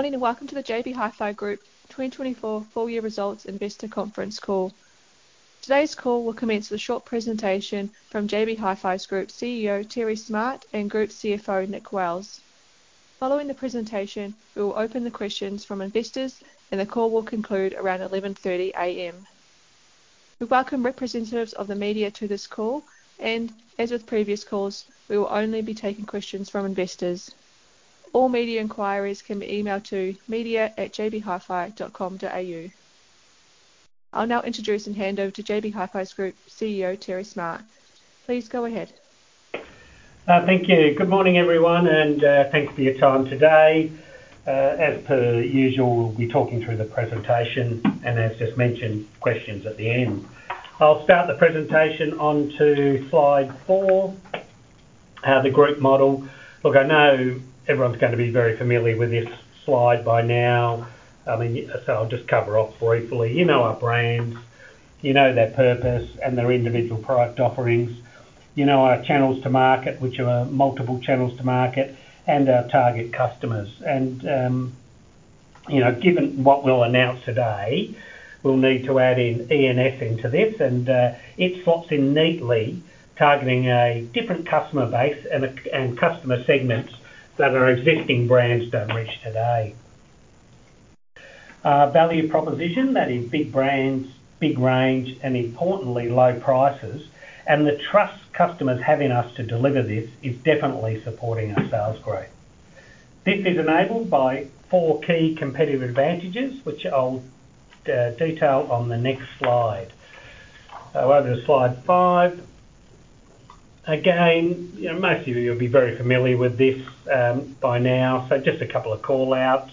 Morning, and welcome to the JB Hi-Fi Group 2024 full year results investor conference call. Today's call will commence with a short presentation from JB Hi-Fi's Group CEO, Terry Smart, and Group CFO, Nick Wells. Following the presentation, we will open the questions from investors, and the call will conclude around 11:30 A.M. We welcome representatives of the media to this call, and as with previous calls, we will only be taking questions from investors. All media inquiries can be emailed to media@jbhifi.com.au. I'll now introduce and hand over to JB Hi-Fi's Group CEO, Terry Smart. Please go ahead. Thank you. Good morning, everyone, and, thanks for your time today. As per usual, we'll be talking through the presentation and, as just mentioned, questions at the end. I'll start the presentation onto slide four, the group model. Look, I know everyone's gonna be very familiar with this slide by now. I mean, so I'll just cover off briefly. You know our brands, you know their purpose and their individual product offerings. You know our channels to market, which are multiple channels to market, and our target customers. And, you know, given what we'll announce today, we'll need to add in E&S into this, and, it slots in neatly, targeting a different customer base and a, and customer segments that our existing brands don't reach today. Value proposition, that is big brands, big range, and importantly, low prices, and the trust customers have in us to deliver this is definitely supporting our sales growth. This is enabled by four key competitive advantages, which I'll detail on the next slide. So over to slide five. Again, you know, most of you will be very familiar with this, by now, so just a couple of call-outs.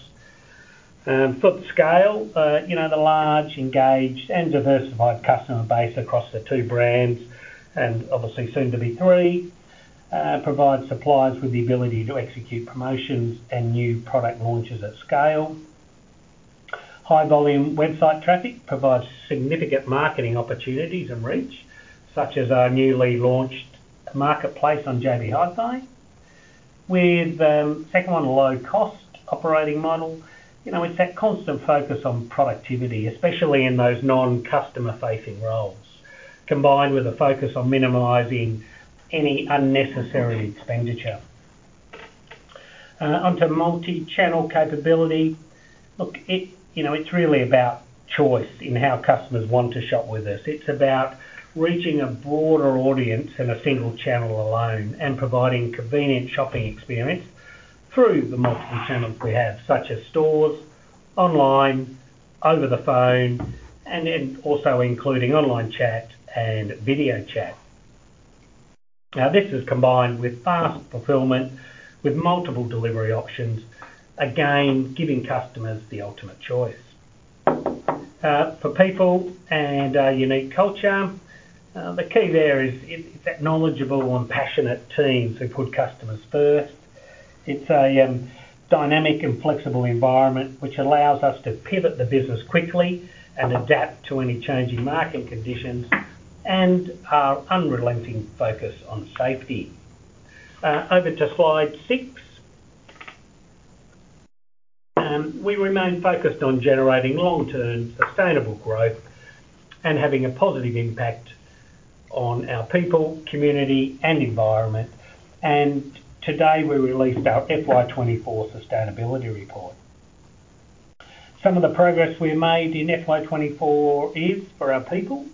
Foot scale, you know, the large, engaged, and diversified customer base across the two brands, and obviously soon to be three, provides suppliers with the ability to execute promotions and new product launches at scale. High-volume website traffic provides significant marketing opportunities and reach, such as our newly launched marketplace on JB Hi-Fi. With, second one, low-cost operating model. You know, it's that constant focus on productivity, especially in those non-customer-facing roles, combined with a focus on minimizing any unnecessary expenditure. Onto multi-channel capability. Look, you know, it's really about choice in how customers want to shop with us. It's about reaching a broader audience in a single channel alone and providing convenient shopping experience through the multiple channels we have, such as stores, online, over the phone, and then also including online chat and video chat. Now, this is combined with fast fulfillment, with multiple delivery options, again, giving customers the ultimate choice. For people and unique culture, the key there is that knowledgeable and passionate teams who put customers first. It's a dynamic and flexible environment, which allows us to pivot the business quickly and adapt to any changing market conditions, and our unrelenting focus on safety. Over to slide six. We remain focused on generating long-term, sustainable growth and having a positive impact on our people, community, and environment, and today, we released our FY 2024 sustainability report. Some of the progress we made in FY 2024 is: for our people,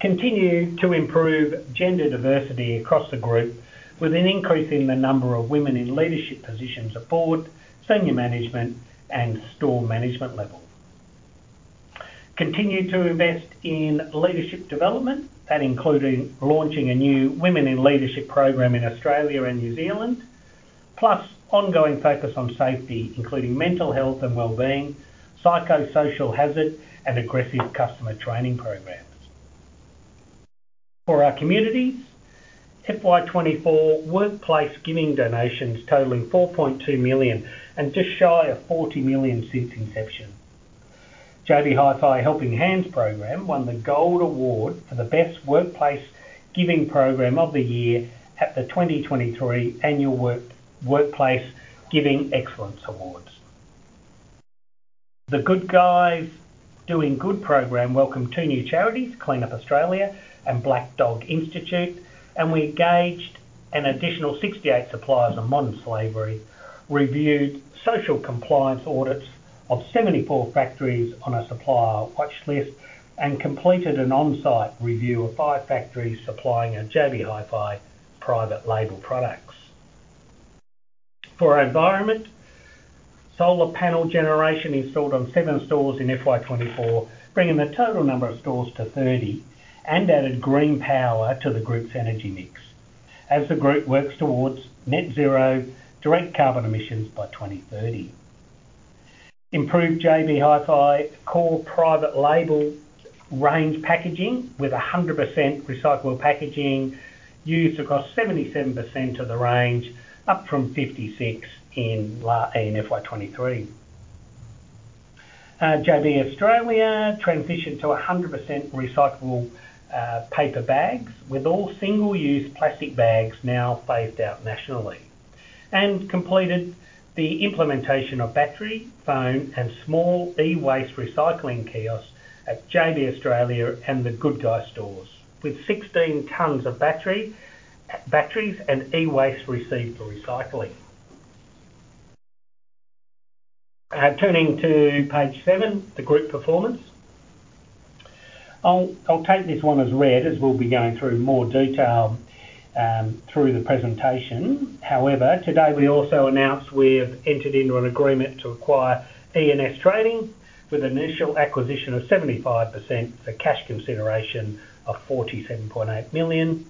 continue to improve gender diversity across the group, with an increase in the number of women in leadership positions at board, senior management, and store management level. Continue to invest in leadership development, that including launching a new Women in Leadership program in Australia and New Zealand, plus ongoing focus on safety, including mental health and wellbeing, psychosocial hazard, and aggressive customer training programs. For our communities, FY 2024 workplace giving donations totaling 4.2 million, and just shy of 40 million since inception. JB Hi-Fi Helping Hands program won the Gold Award for the Best Workplace Giving Program of the year at the 2023 Annual Workplace Giving Excellence Awards. The Good Guys Doing Good program welcomed 2 new charities, Clean Up Australia and Black Dog Institute, and we engaged an additional 68 suppliers on Modern Slavery, reviewed social compliance audits of 74 factories on our supplier watchlist, and completed an on-site review of 5 factories supplying our JB Hi-Fi private label products. For our environment, solar panel generation installed on 7 stores in FY 2024, bringing the total number of stores to 30, and added GreenPower to the group's energy mix, as the group works towards Net Zero direct carbon emissions by 2030. Improved JB Hi-Fi core private label range packaging, with 100% recyclable packaging used across 77% of the range, up from 56% in FY 2023. JB Australia transitioned to 100% recyclable paper bags, with all single-use plastic bags now phased out nationally, and completed the implementation of battery, phone, and small e-waste recycling kiosks at JB Australia and The Good Guys stores, with 16 tons of batteries and e-waste received for recycling. Turning to page seven, the group performance. I'll take this one as read, as we'll be going through more detail through the presentation. However, today we also announced we have entered into an agreement to acquire E&S Trading, with an initial acquisition of 75% for cash consideration of 47.8 million.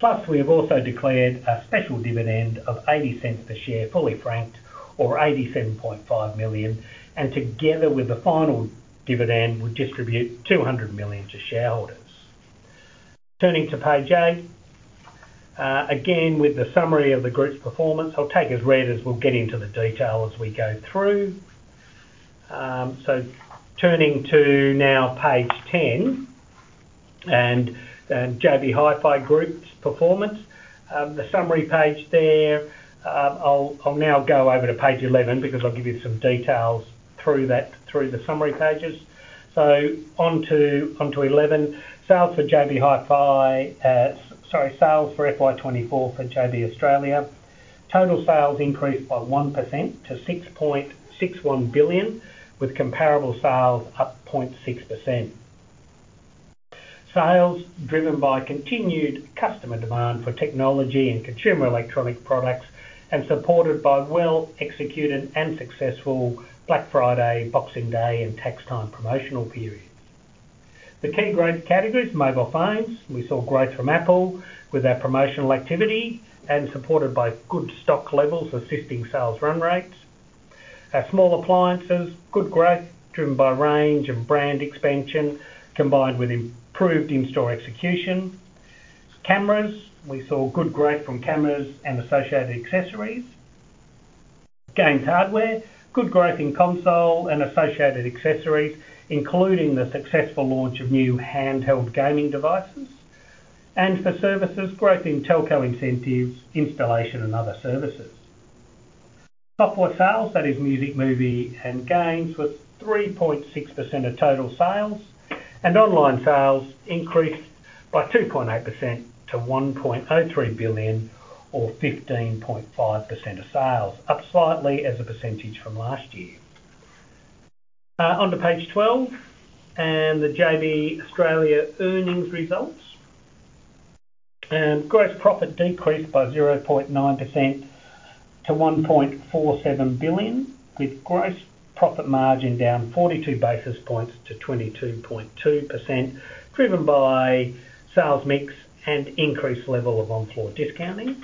Plus, we have also declared a special dividend of 0.80 per share, fully franked, or 87.5 million, and together with the final dividend, we distribute 200 million to shareholders. Turning to page 8. Again, with the summary of the group's performance, I'll take as read as we'll get into the detail as we go through. So turning to now page 10, and, JB Hi-Fi Group's performance. The summary page there, I'll now go over to page 11 because I'll give you some details through the summary pages. So onto 11. Sales for JB Hi-Fi, sorry, sales for FY 2024 for JB Australia. Total sales increased by 1% to 6.61 billion, with comparable sales up 0.6%. Sales driven by continued customer demand for technology and consumer electronic products and supported by well-executed and successful Black Friday, Boxing Day, and Tax Time promotional periods. The key growth categories, mobile phones. We saw growth from Apple with our promotional activity and supported by good stock levels, assisting sales run rates. Our small appliances, good growth, driven by range and brand expansion, combined with improved in-store execution. Cameras, we saw good growth from cameras and associated accessories. Games hardware, good growth in console and associated accessories, including the successful launch of new handheld gaming devices. And for services, growth in Telco incentives, installation, and other services. Software sales, that is music, movie, and games, was 3.6% of total sales, and online sales increased by 2.8% to 1.03 billion or 15.5% of sales, up slightly as a percentage from last year. Onto page 12, and the JB Australia earnings results. Gross profit decreased by 0.9% to 1.47 billion, with gross profit margin down 42 basis points to 22.2%, driven by sales mix and increased level of on-floor discounting.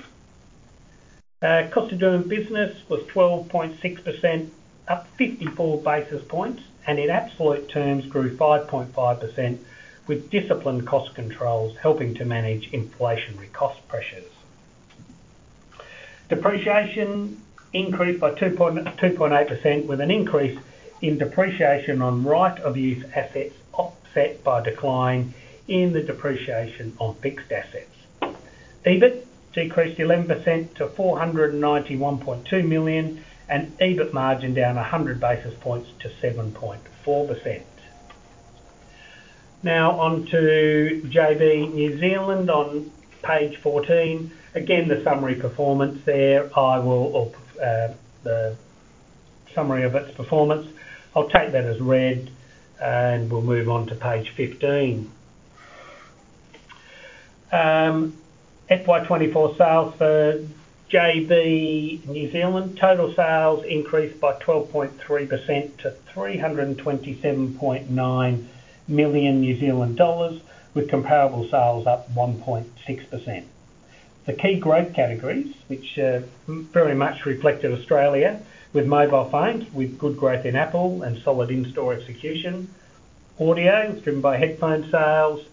Cost of doing business was 12.6%, up 54 basis points, and in absolute terms, grew 5.5%, with disciplined cost controls helping to manage inflationary cost pressures. Depreciation increased by 2.8%, with an increase in depreciation on right-of-use assets offset by a decline in the depreciation on fixed assets. EBIT decreased 11% to 491.2 million, and EBIT margin down 100 basis points to 7.4%. Now on to JB New Zealand on page 14. Again, the summary performance there, or the summary of its performance. I'll take that as read, and we'll move on to page 15. FY 2024 sales for JB New Zealand. Total sales increased by 12.3% to 327.9 million New Zealand dollars, with comparable sales up 1.6%. The key growth categories, which very much reflected Australia with mobile phones, with good growth in Apple and solid in-store execution. Audio, driven by headphone sales.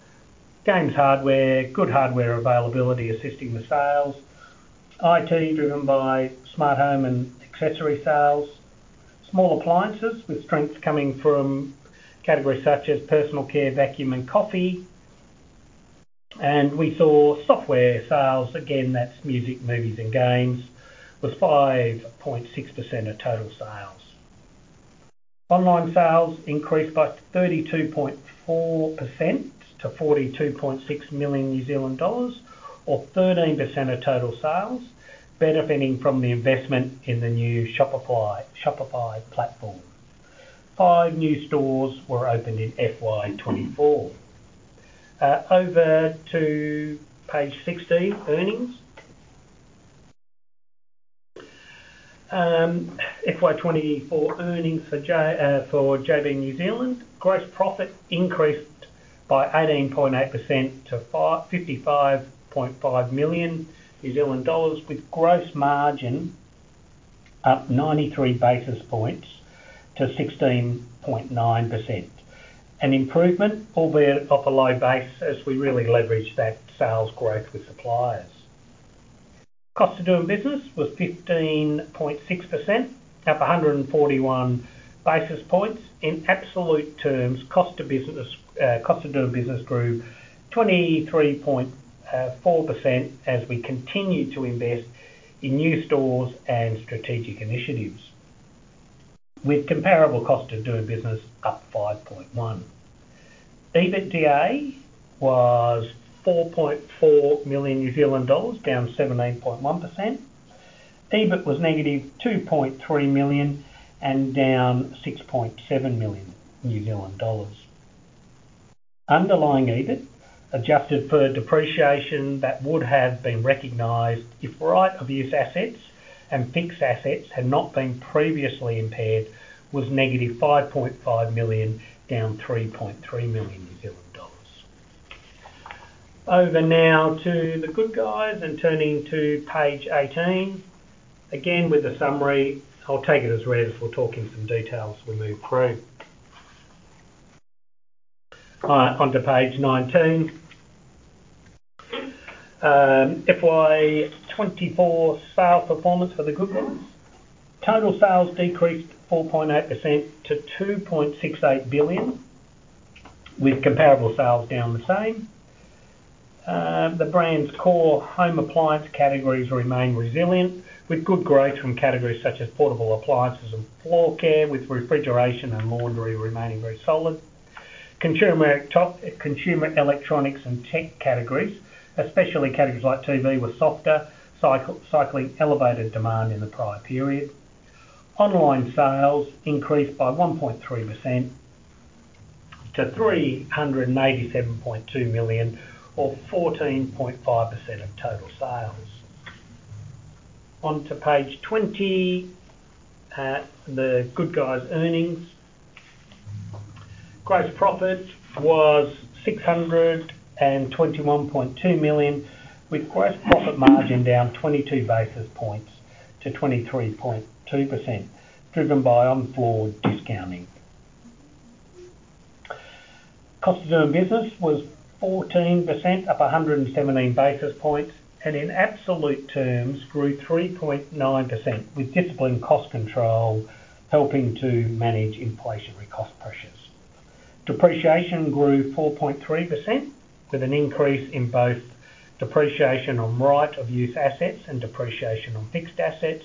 Games hardware, good hardware availability assisting the sales. IT, driven by smart home and accessory sales. Small appliances, with strengths coming from categories such as personal care, vacuum, and coffee. And we saw software sales, again, that's music, movies, and games, was 5.6% of total sales. Online sales increased by 32.4% to 42.6 million New Zealand dollars, or 13% of total sales, benefiting from the investment in the new Shopify platform. 5 new stores were opened in FY 2024. Over to page 16, earnings. FY 2024 earnings for JB New Zealand. Gross profit increased by 18.8% to 55.5 million New Zealand dollars, with gross margin up 93 basis points to 16.9%. An improvement, albeit off a low base, as we really leveraged that sales growth with suppliers. Cost of doing business was 15.6%, up 141 basis points. In absolute terms, cost of business, cost of doing business grew 23.4% as we continue to invest in new stores and strategic initiatives, with comparable cost of doing business up 5.1. EBITDA was 4.4 million New Zealand dollars, down 17.1%. EBIT was -2.3 million and down 6.7 million New Zealand dollars. Underlying EBIT, adjusted for depreciation that would have been recognized if right-of-use assets and fixed assets had not been previously impaired, was -5.5 million, down 3.3 million New Zealand dollars. Over now to The Good Guys and turning to page eighteen. Again, with the summary, I'll take it as read before talking some details we move through. Onto page 19. FY 2024 sales performance for The Good Guys. Total sales decreased 4.8% to 2.68 billion, with comparable sales down the same. The brand's core home appliance categories remain resilient, with good growth from categories such as portable appliances and floor care, with refrigeration and laundry remaining very solid. Consumer electronics and tech categories, especially categories like TV, were softer, cycling elevated demand in the prior period. Online sales increased by 1.3% to 387.2 million, or 14.5% of total sales. Onto page 20, The Good Guys earnings. Gross profit was 621.2 million, with gross profit margin down 22 basis points to 23.2%, driven by on-floor discounting. Cost of doing business was 14%, up 117 basis points, and in absolute terms, grew 3.9%, with disciplined cost control helping to manage inflationary cost pressures. Depreciation grew 4.3%, with an increase in both depreciation on right of use assets and depreciation on fixed assets,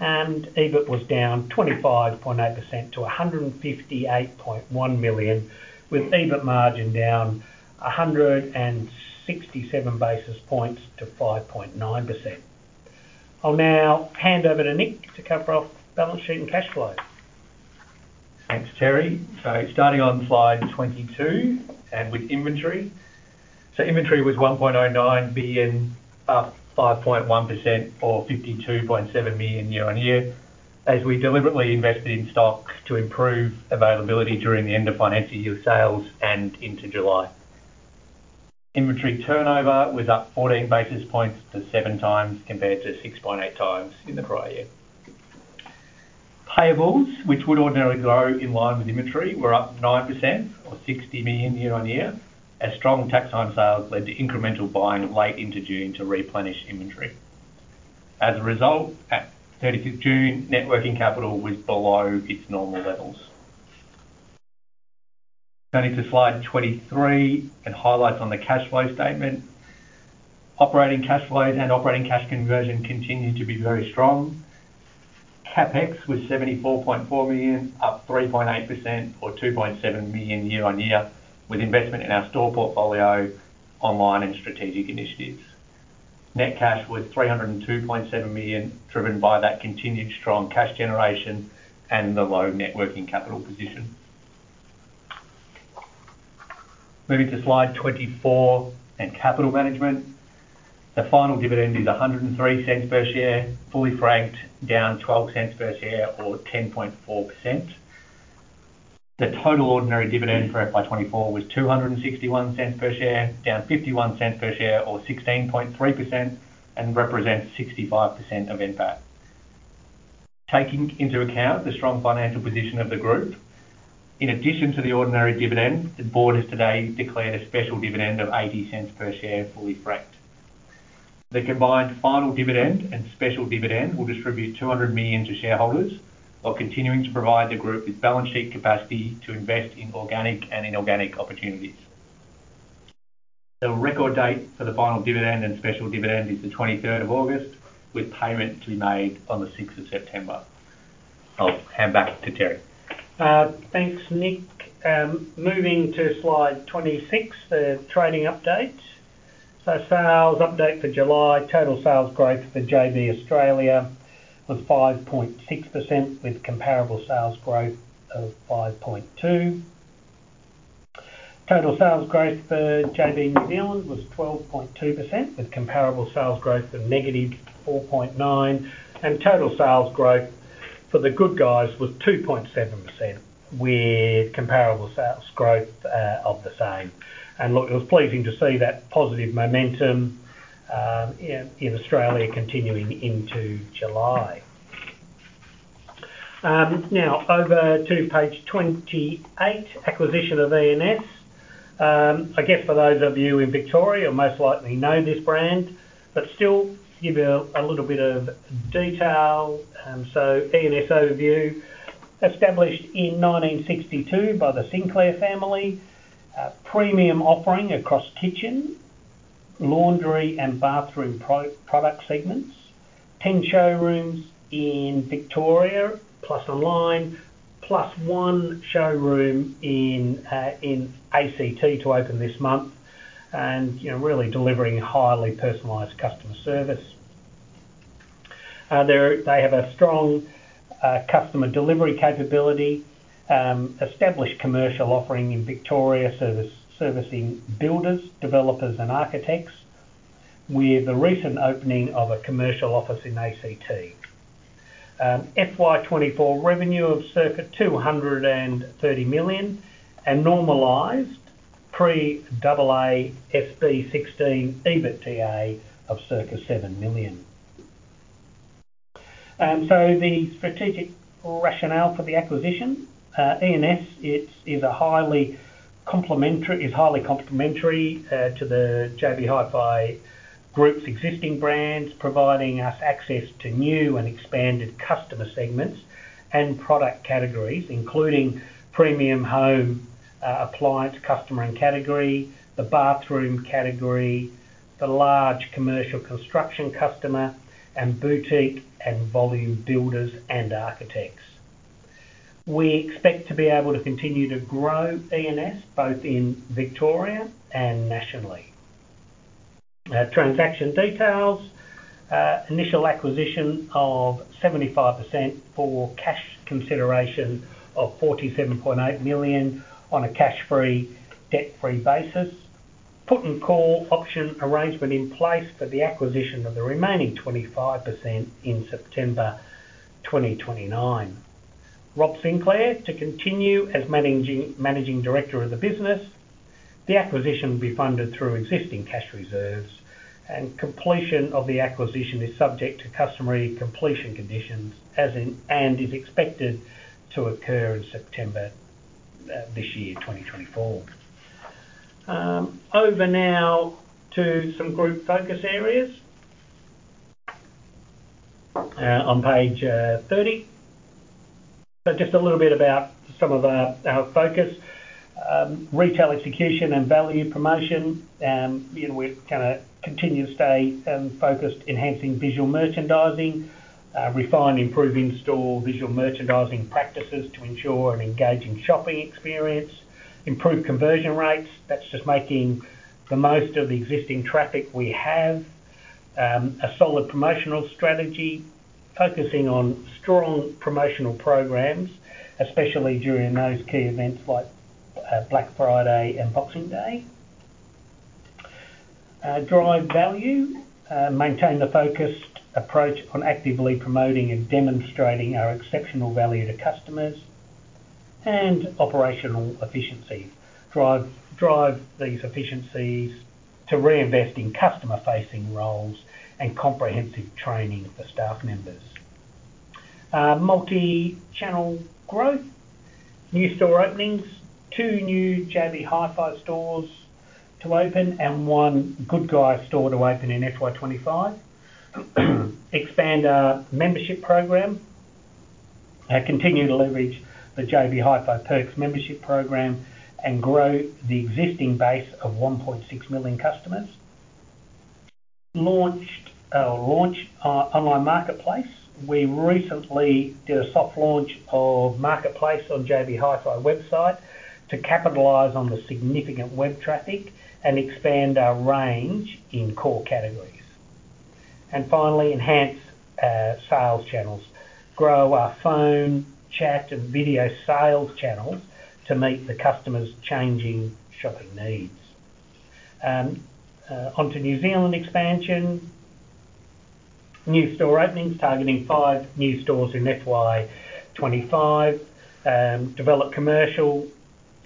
and EBIT was down 25.8% to 158.1 million, with EBIT margin down 167 basis points to 5.9%. I'll now hand over to Nick to cover off balance sheet and cash flow. Thanks, Terry. So starting on slide 22, and with inventory. So inventory was 1.09 billion, up 5.1% or 52.7 million year-on-year, as we deliberately invested in stock to improve availability during the end of financial year sales and into July. Inventory turnover was up 14 basis points to 7 times compared to 6.8 times in the prior year. Payables, which would ordinarily grow in line with inventory, were up 9% or 60 million year-on-year, as strong Tax Time sales led to incremental buying late into June to replenish inventory. As a result, at 30th June, net working capital was below its normal levels. Turning to slide 23 and highlights on the cash flow statement. Operating cash flow and operating cash conversion continued to be very strong. CapEx was 74.4 million, up 3.8% or 2.7 million year-on-year, with investment in our store portfolio, online and strategic initiatives. Net cash was 302.7 million, driven by that continued strong cash generation and the low net working capital position. Moving to slide 24 and capital management. The final dividend is 1.03 per share, fully franked, down 0.12 per share or 10.4%. The total ordinary dividend for FY 2024 was 2.61 per share, down 0.51 per share or 16.3%, and represents 65% of NPAT. Taking into account the strong financial position of the group, in addition to the ordinary dividend, the board has today declared a special dividend of 0.80 per share, fully franked. The combined final dividend and special dividend will distribute 200 million to shareholders, while continuing to provide the group with balance sheet capacity to invest in organic and inorganic opportunities. The record date for the final dividend and special dividend is the 23rd of August, with payment to be made on the 6th of September. I'll hand back to Terry. Thanks, Nick. Moving to slide 26, the trading update. So sales update for July, total sales growth for JB Australia was 5.6%, with comparable sales growth of 5.2%. Total sales growth for JB New Zealand was 12.2%, with comparable sales growth of negative 4.9%, and total sales growth for The Good Guys was 2.7%, with comparable sales growth of the same. And look, it was pleasing to see that positive momentum in Australia continuing into July. Now over to page 28, acquisition of E&S. I guess for those of you in Victoria, most likely know this brand, but still give you a little bit of detail. So E&S overview. Established in 1962 by the Sinclair family. A premium offering across kitchen, laundry, and bathroom product segments. 10 showrooms in Victoria, plus online, plus one showroom in ACT to open this month, and, you know, really delivering highly personalized customer service. They're. They have a strong customer delivery capability, established commercial offering in Victoria, servicing builders, developers, and architects, with the recent opening of a commercial office in ACT. FY 2024 revenue of circa 230 million, and normalized pre-AASB 16 EBITDA of circa 7 million. So the strategic rationale for the acquisition, E&S is highly complementary to the JB Hi-Fi Group's existing brands, providing us access to new and expanded customer segments and product categories, including premium home appliance customer and category, the bathroom category, the large commercial construction customer, and boutique and volume builders and architects. We expect to be able to continue to grow E&S, both in Victoria and nationally. Transaction details, initial acquisition of 75% for cash consideration of 47.8 million on a cash-free, debt-free basis. Put and call option arrangement in place for the acquisition of the remaining 25% in September 2029. Rob Sinclair to continue as managing, managing director of the business. The acquisition will be funded through existing cash reserves, and completion of the acquisition is subject to customary completion conditions, as in, and is expected to occur in September this year, 2024. Over now to some group focus areas, on page 30. So just a little bit about some of our, our focus. Retail execution and value promotion, you know, we kind of continue to stay focused, enhancing visual merchandising, refine, improve, install visual merchandising practices to ensure an engaging shopping experience, improve conversion rates. That's just making the most of the existing traffic we have. A solid promotional strategy, focusing on strong promotional programs, especially during those key events like Black Friday and Boxing Day. Drive value, maintain the focused approach on actively promoting and demonstrating our exceptional value to customers, and operational efficiency. Drive, drive these efficiencies to reinvest in customer-facing roles and comprehensive training for staff members. Multi-channel growth, new store openings, two new JB Hi-Fi stores to open and one Good Guys store to open in FY 2025. Expand our membership program, continue to leverage the JB Hi-Fi Perks membership program and grow the existing base of 1.6 million customers. Launch our online marketplace. We recently did a soft launch of marketplace on JB Hi-Fi website to capitalize on the significant web traffic and expand our range in core categories. And finally, enhance sales channels, grow our phone, chat, and video sales channels to meet the customers' changing shopping needs. Onto New Zealand expansion. New store openings, targeting 5 new stores in FY 2025. Develop commercial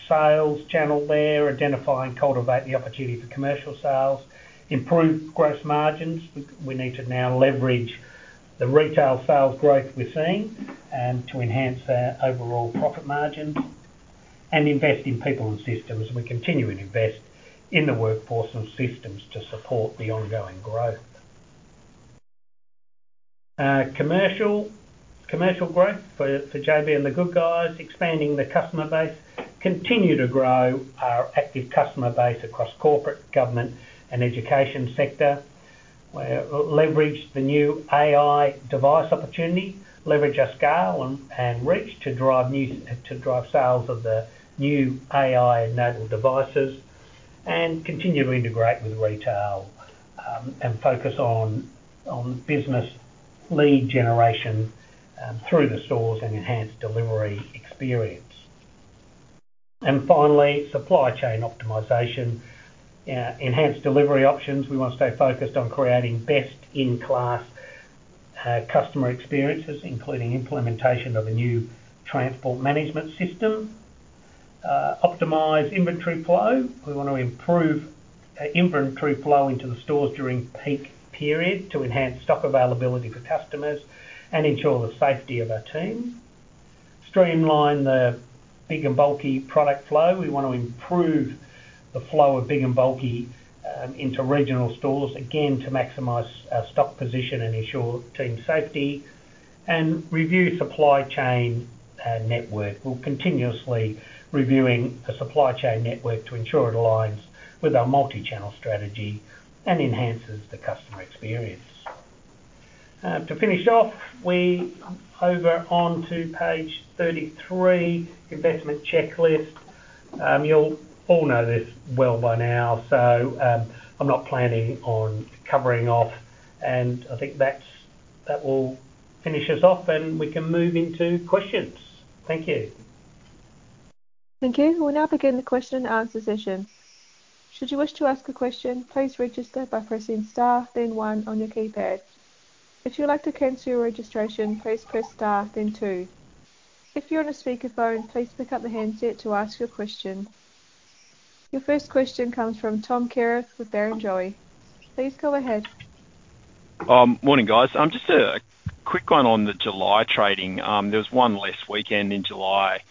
sales channel there, identify and cultivate the opportunity for commercial sales. Improve gross margins. We need to now leverage the retail sales growth we're seeing to enhance our overall profit margins, and invest in people and systems. We continue to invest in the workforce and systems to support the ongoing growth. Commercial growth for JB and The Good Guys, expanding the customer base, continue to grow our active customer base across corporate, government, and education sector. We leverage the new AI device opportunity, our scale and reach to drive sales of the new AI-enabled devices, and continue to integrate with retail and focus on business lead generation through the stores and enhanced delivery experience. And finally, supply chain optimization. Enhanced delivery options. We want to stay focused on creating best-in-class customer experiences, including implementation of a new transport management system. Optimize inventory flow. We want to improve our inventory flow into the stores during peak periods to enhance stock availability for customers and ensure the safety of our team. Streamline the big and bulky product flow. We want to improve the flow of big and bulky into regional stores, again, to maximize our stock position and ensure team safety. Review supply chain network. We're continuously reviewing the supply chain network to ensure it aligns with our multi-channel strategy and enhances the customer experience. To finish off, we over onto page 33, investment checklist. You'll all know this well by now, so, I'm not planning on covering off, and I think that's, that will finish us off, and we can move into questions. Thank you. Thank you. We'll now begin the question and answer session. Should you wish to ask a question, please register by pressing Star, then One on your keypad. If you'd like to cancel your registration, please press Star, then Two. If you're on a speakerphone, please pick up the handset to ask your question. Your first question comes from Tom Kierath with Barrenjoey. Please go ahead. Morning, guys. Just a quick one on the July trading. There was one less weekend in July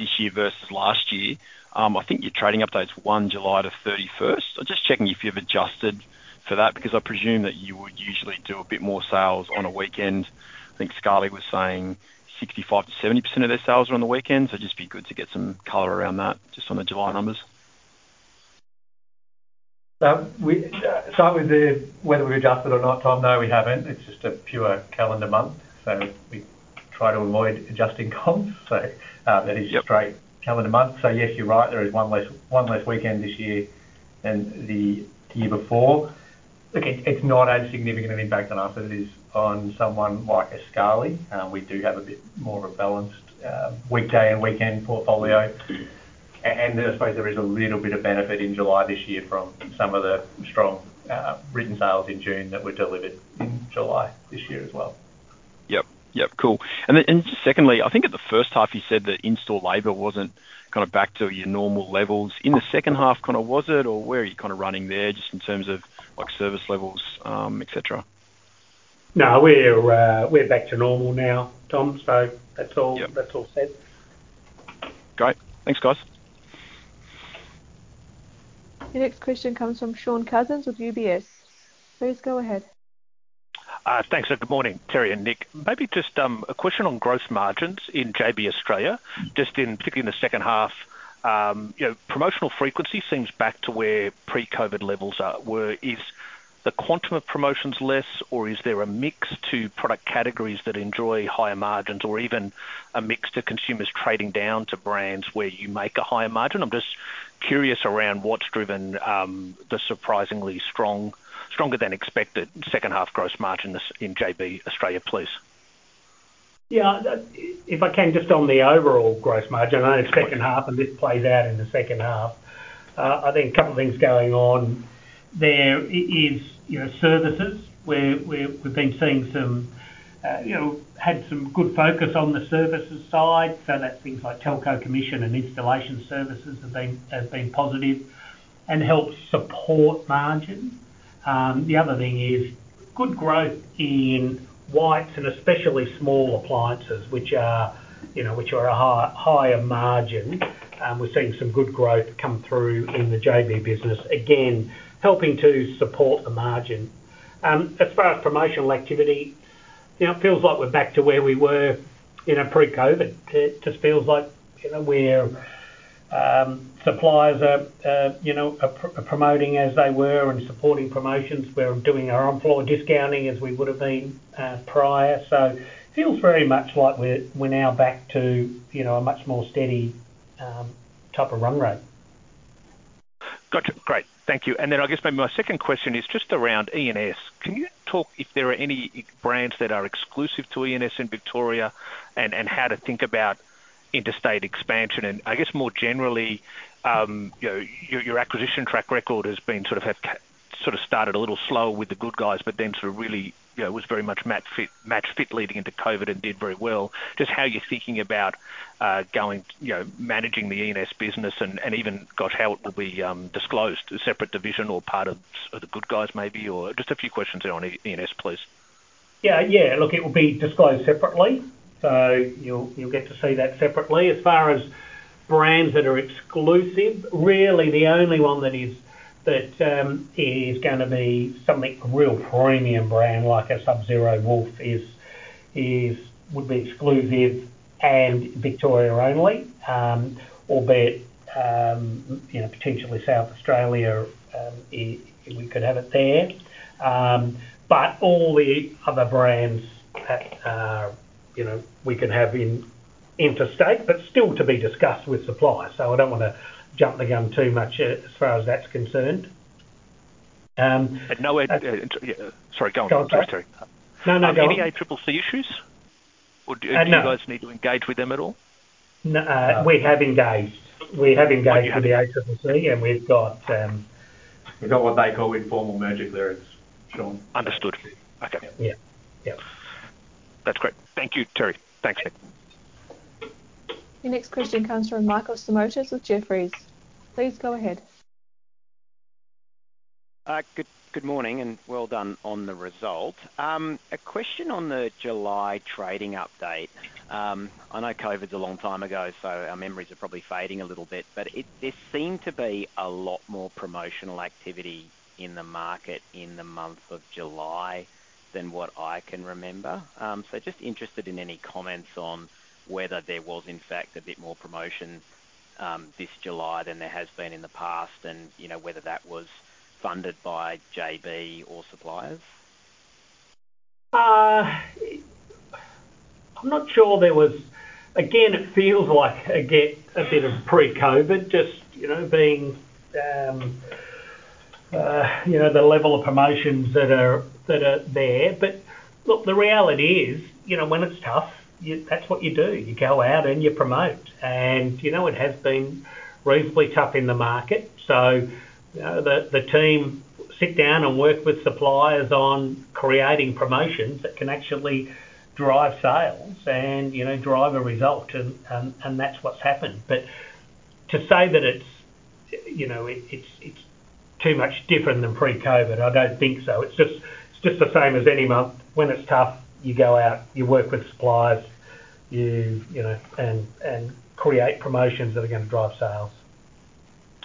this year versus last year. I think your trading update's 1 July to 31st. I'm just checking if you've adjusted for that, because I presume that you would usually do a bit more sales on a weekend. I think Scali was saying 65%-70% of their sales are on the weekend, so it'd just be good to get some color around that, just on the July numbers. So we, so with the, whether we adjusted or not, Tom, no, we haven't. It's just a pure calendar month, so we try to avoid adjusting comps. So, that is- Yep... straight calendar month. So yes, you're right, there is one less, one less weekend this year than the year before. It's not had a significant impact on us as it is on someone like a Scali. We do have a bit more of a balanced weekday and weekend portfolio. And I suppose there is a little bit of benefit in July this year from some of the strong written sales in June that were delivered in July this year as well. Yep. Yep, cool. And then, and just secondly, I think at the H1, you said that in-store labor wasn't kind of back to your normal levels. In the H2, kind of, was it, or where are you kind of running there, just in terms of, like, service levels, et cetera? No, we're, we're back to normal now, Tom, so that's all- Yep. That's all set. Great. Thanks, guys. Your next question comes from Shaun Cousins with UBS. Please go ahead. Thanks, and good morning, Terry and Nick. Maybe just a question on gross margins in JB Australia, just in, particularly in the H2. You know, promotional frequency seems back to where pre-COVID levels are, were. Is the quantum of promotions less, or is there a mix to product categories that enjoy higher margins, or even a mix to consumers trading down to brands where you make a higher margin? I'm just curious around what's driven the surprisingly strong, stronger than expected H2 gross margin in JB Australia, please. Yeah, if I can, just on the overall gross margin on the H2, and this plays out in the H2, I think a couple of things going on there is, you know, services, where we've been seeing some, you know, had some good focus on the services side. So that's things like Telco commission and installation services have been positive and helped support margin. The other thing is good growth in whites and especially small appliances, which are, you know, a higher margin. We're seeing some good growth come through in the JB business, again, helping to support the margin. As far as promotional activity, you know, it feels like we're back to where we were in pre-COVID. It just feels like, you know, suppliers are, you know, promoting as they were and supporting promotions. We're doing our on-floor discounting as we would've been prior. So feels very much like we're now back to, you know, a much more steady type of run rate. Gotcha. Great. Thank you. And then I guess maybe my second question is just around E&S. Can you talk if there are any brands that are exclusive to E&S in Victoria, and, and how to think about interstate expansion? And I guess more generally, you know, your, your acquisition track record has been sort of started a little slow with The Good Guys, but then sort of really, you know, was very much match fit, match fit leading into COVID and did very well. Just how you're thinking about, going, you know, managing the E&S business and, and even, gosh, how it will be, disclosed, a separate division or part of, of The Good Guys, maybe? Or just a few questions on E&S, please. Yeah, yeah. Look, it will be disclosed separately, so you'll, you'll get to see that separately. As far as brands that are exclusive, really the only one that is is gonna be something real premium brand, like a Sub-Zero Wolf is would be exclusive and Victoria only. Albeit, you know, potentially South Australia, it we could have it there. But all the other brands that are, you know, we can have in interstate, but still to be discussed with suppliers. So I don't want to jump the gun too much as far as that's concerned. No, yeah. Sorry, go on. Go on. Sorry, Terry. No, no, go on. Any ACCC issues? Or do- Uh, no... you guys need to engage with them at all? No, we have engaged. We have engaged- Well, you have... with the ACCC, and we've got, We've got what they call informal merger there, Shaun. Understood. Okay. Yeah. Yep.... That's great. Thank you, Terry. Thanks, Nick. Your next question comes from Michael Simotas with Jefferies. Please go ahead. Good, good morning, and well done on the result. A question on the July trading update. I know COVID's a long time ago, so our memories are probably fading a little bit, but there seemed to be a lot more promotional activity in the market in the month of July than what I can remember. So just interested in any comments on whether there was, in fact, a bit more promotion this July than there has been in the past, and, you know, whether that was funded by JB or suppliers? I'm not sure there was... Again, it feels like, again, a bit of pre-COVID, just, you know, being, you know, the level of promotions that are, that are there. But look, the reality is, you know, when it's tough, that's what you do. You go out and you promote. And, you know, it has been reasonably tough in the market, so, the team sit down and work with suppliers on creating promotions that can actually drive sales and, you know, drive a result, and that's what's happened. But to say that it's, you know, it's too much different than pre-COVID, I don't think so. It's just the same as any month. When it's tough, you go out, you work with suppliers, you know, and create promotions that are gonna drive sales.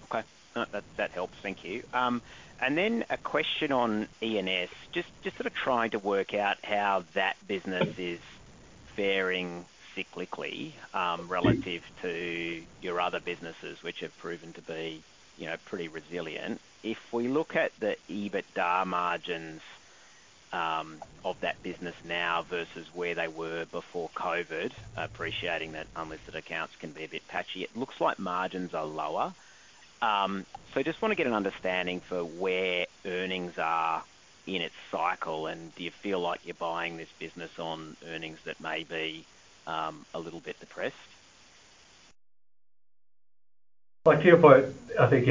Okay. No, that, that helps. Thank you. And then a question on E&S. Just, just sort of trying to work out how that business is faring cyclically, relative to your other businesses, which have proven to be, you know, pretty resilient. If we look at the EBITDA margins, of that business now versus where they were before COVID, appreciating that unlisted accounts can be a bit patchy, it looks like margins are lower. So just want to get an understanding for where earnings are in its cycle, and do you feel like you're buying this business on earnings that may be, a little bit depressed? Like, to your point, I think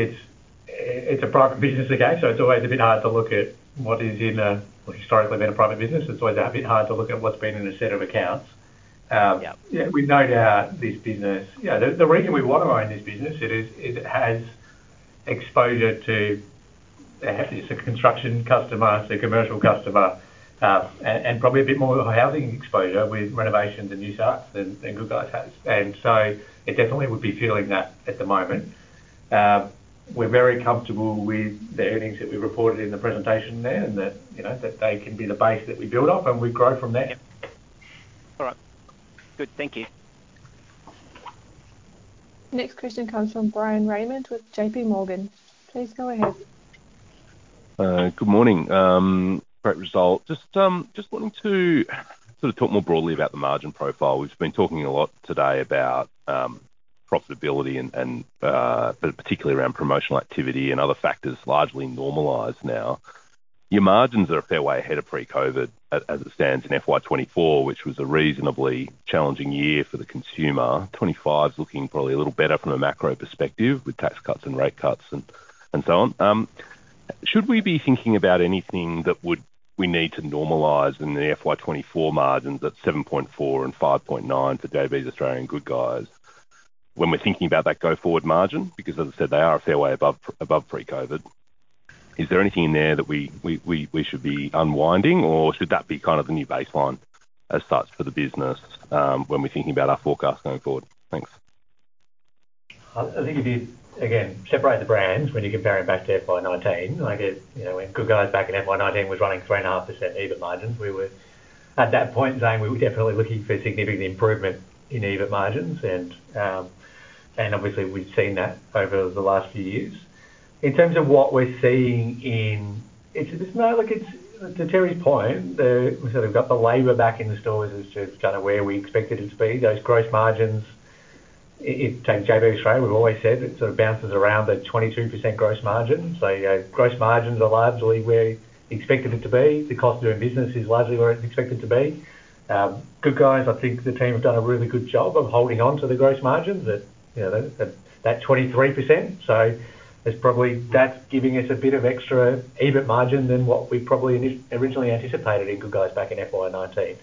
it's a private business again, so it's always a bit hard to look at what is in a historically been a private business. It's always a bit hard to look at what's been in a set of accounts. Yep. Yeah, we've no doubt this business... Yeah, the reason we want to own this business, it has exposure to, it's a construction customer, it's a commercial customer, and probably a bit more of a housing exposure with renovations and new starts than Good Guys has. And so it definitely would be feeling that at the moment. We're very comfortable with the earnings that we reported in the presentation there, and that, you know, that they can be the base that we build off, and we grow from there. All right. Good. Thank you. Next question comes from Bryan Raymond with J.P. Morgan. Please go ahead. Good morning. Great result. Just wanting to sort of talk more broadly about the margin profile. We've been talking a lot today about profitability and but particularly around promotional activity and other factors largely normalized now. Your margins are a fair way ahead of pre-COVID as it stands in FY 2024, which was a reasonably challenging year for the consumer. 2025's looking probably a little better from a macro perspective, with tax cuts and rate cuts and so on. Should we be thinking about anything that would we need to normalize in the FY 2024 margins at 7.4 and 5.9 for JB's Australian Good Guys, when we're thinking about that go-forward margin? Because as I said, they are a fair way above pre-COVID. Is there anything in there that we should be unwinding, or should that be kind of the new baseline as such for the business, when we're thinking about our forecast going forward? Thanks. I think if you, again, separate the brands when you compare them back to FY 2019, like, you know, when The Good Guys back in FY 2019 was running 3.5% EBIT margins, we were at that point in time, we were definitely looking for significant improvement in EBIT margins, and, and obviously, we've seen that over the last few years. In terms of ours of what we're seeing in... It's, it's not like it's- To Terry's point, the- so we've got the labor back in the stores is, is kind of where we expect it to be. Those gross margins, i- if take JB's Australia, we've always said it sort of bounces around the 22% gross margin. So, you know, gross margins are largely where we expected it to be. The cost of doing business is largely where it's expected to be. Good Guys, I think the team have done a really good job of holding on to the gross margins at, you know, at, at that 23%. So there's probably- that's giving us a bit of extra EBIT margin than what we probably originally anticipated in Good Guys back in FY 2019.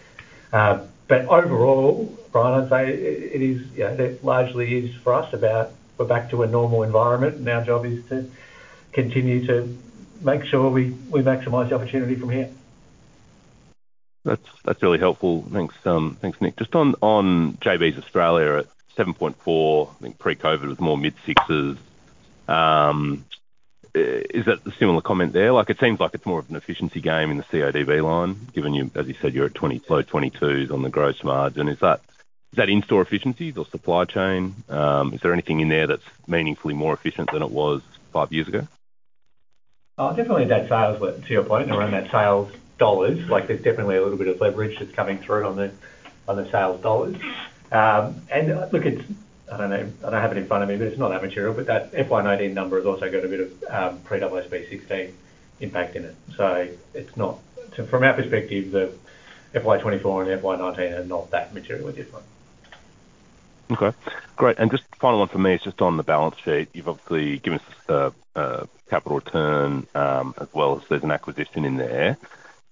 But overall, Bryan, I'd say it is, you know, it largely is for us about we're back to a normal environment, and our job is to continue to make sure we, we maximize the opportunity from here. That's really helpful. Thanks, Nick. Just on JB's Australia at 7.4, I think pre-COVID was more mid-6s, is that a similar comment there? Like, it seems like it's more of an efficiency game in the CODB line, given, as you said, you're at 20, low 22s on the gross margin. Is that in-store efficiencies or supply chain? Is there anything in there that's meaningfully more efficient than it was 5 years ago? Oh, definitely that sales, well, to your point, around that sales dollars, like, there's definitely a little bit of leverage that's coming through on the, on the sales dollars. And look, it's... I don't know. I don't have it in front of me, but it's not that material, but that FY 2019 number has also got a bit of pre-AASB 16 impact in it. So it's not. From our perspective, the FY 2024 and FY 2019 are not that materially different.... Okay, great. And just final one for me is just on the balance sheet. You've obviously given us a capital return, as well as there's an acquisition in there.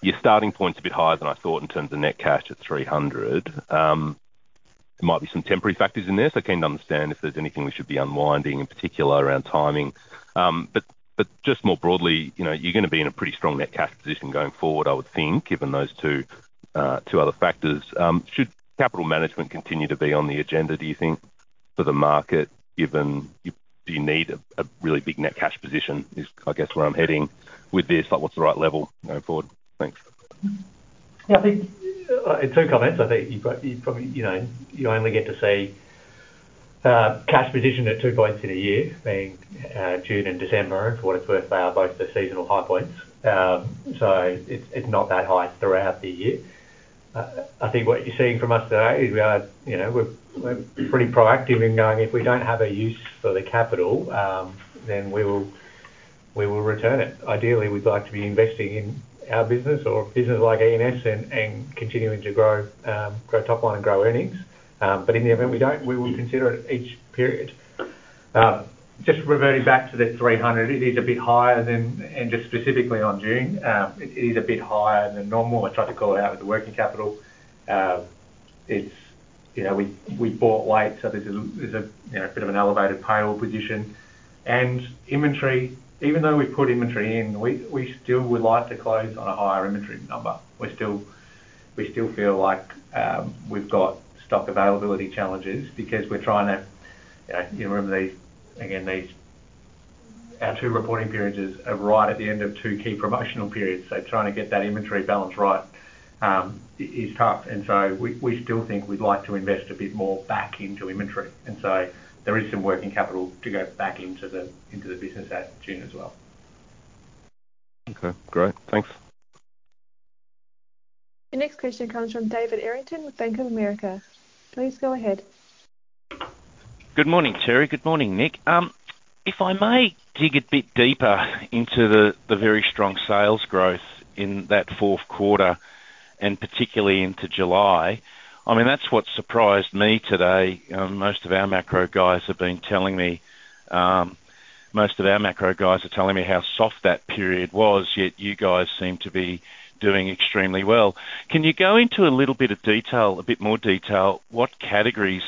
Your starting point's a bit higher than I thought in terms of net cash at 300. There might be some temporary factors in there, so keen to understand if there's anything we should be unwinding, in particular around timing. But just more broadly, you know, you're gonna be in a pretty strong net cash position going forward, I would think, given those two other factors. Should capital management continue to be on the agenda, do you think, for the market, given do you need a really big net cash position? I guess, where I'm heading with this, like, what's the right level going forward? Thanks. Yeah, I think, in two comments, I think you probably, you know, you only get to see cash position at two points in a year, being June and December. For what it's worth, they are both the seasonal high points. So it's not that high throughout the year. I think what you're seeing from us today is we are, you know, we're pretty proactive in knowing if we don't have a use for the capital, then we will return it. Ideally, we'd like to be investing in our business or businesses like E&S and continuing to grow top line and grow earnings. But in the event we don't, we will consider it each period. Just reverting back to the 300, it is a bit higher than, and just specifically on June, it is a bit higher than normal. I tried to call it out with the working capital. It's, you know, we, we bought late, so there's a, there's a, you know, bit of an elevated payroll position. And inventory, even though we put inventory in, we, we still would like to close on a higher inventory number. We still, we still feel like, we've got stock availability challenges because we're trying to, you know, you remember these, again, these... Our two reporting periods are right at the end of two key promotional periods, so trying to get that inventory balance right, is tough. And so we still think we'd like to invest a bit more back into inventory, and so there is some working capital to go back into the business at June as well. Okay, great. Thanks. The next question comes from David Errington with Bank of America. Please go ahead. Good morning, Terry. Good morning, Nick. If I may dig a bit deeper into the very strong sales growth in that Q4, and particularly into July, I mean, that's what surprised me today. Most of our macro guys have been telling me, most of our macro guys are telling me how soft that period was, yet you guys seem to be doing extremely well. Can you go into a little bit of detail, a bit more detail, what categories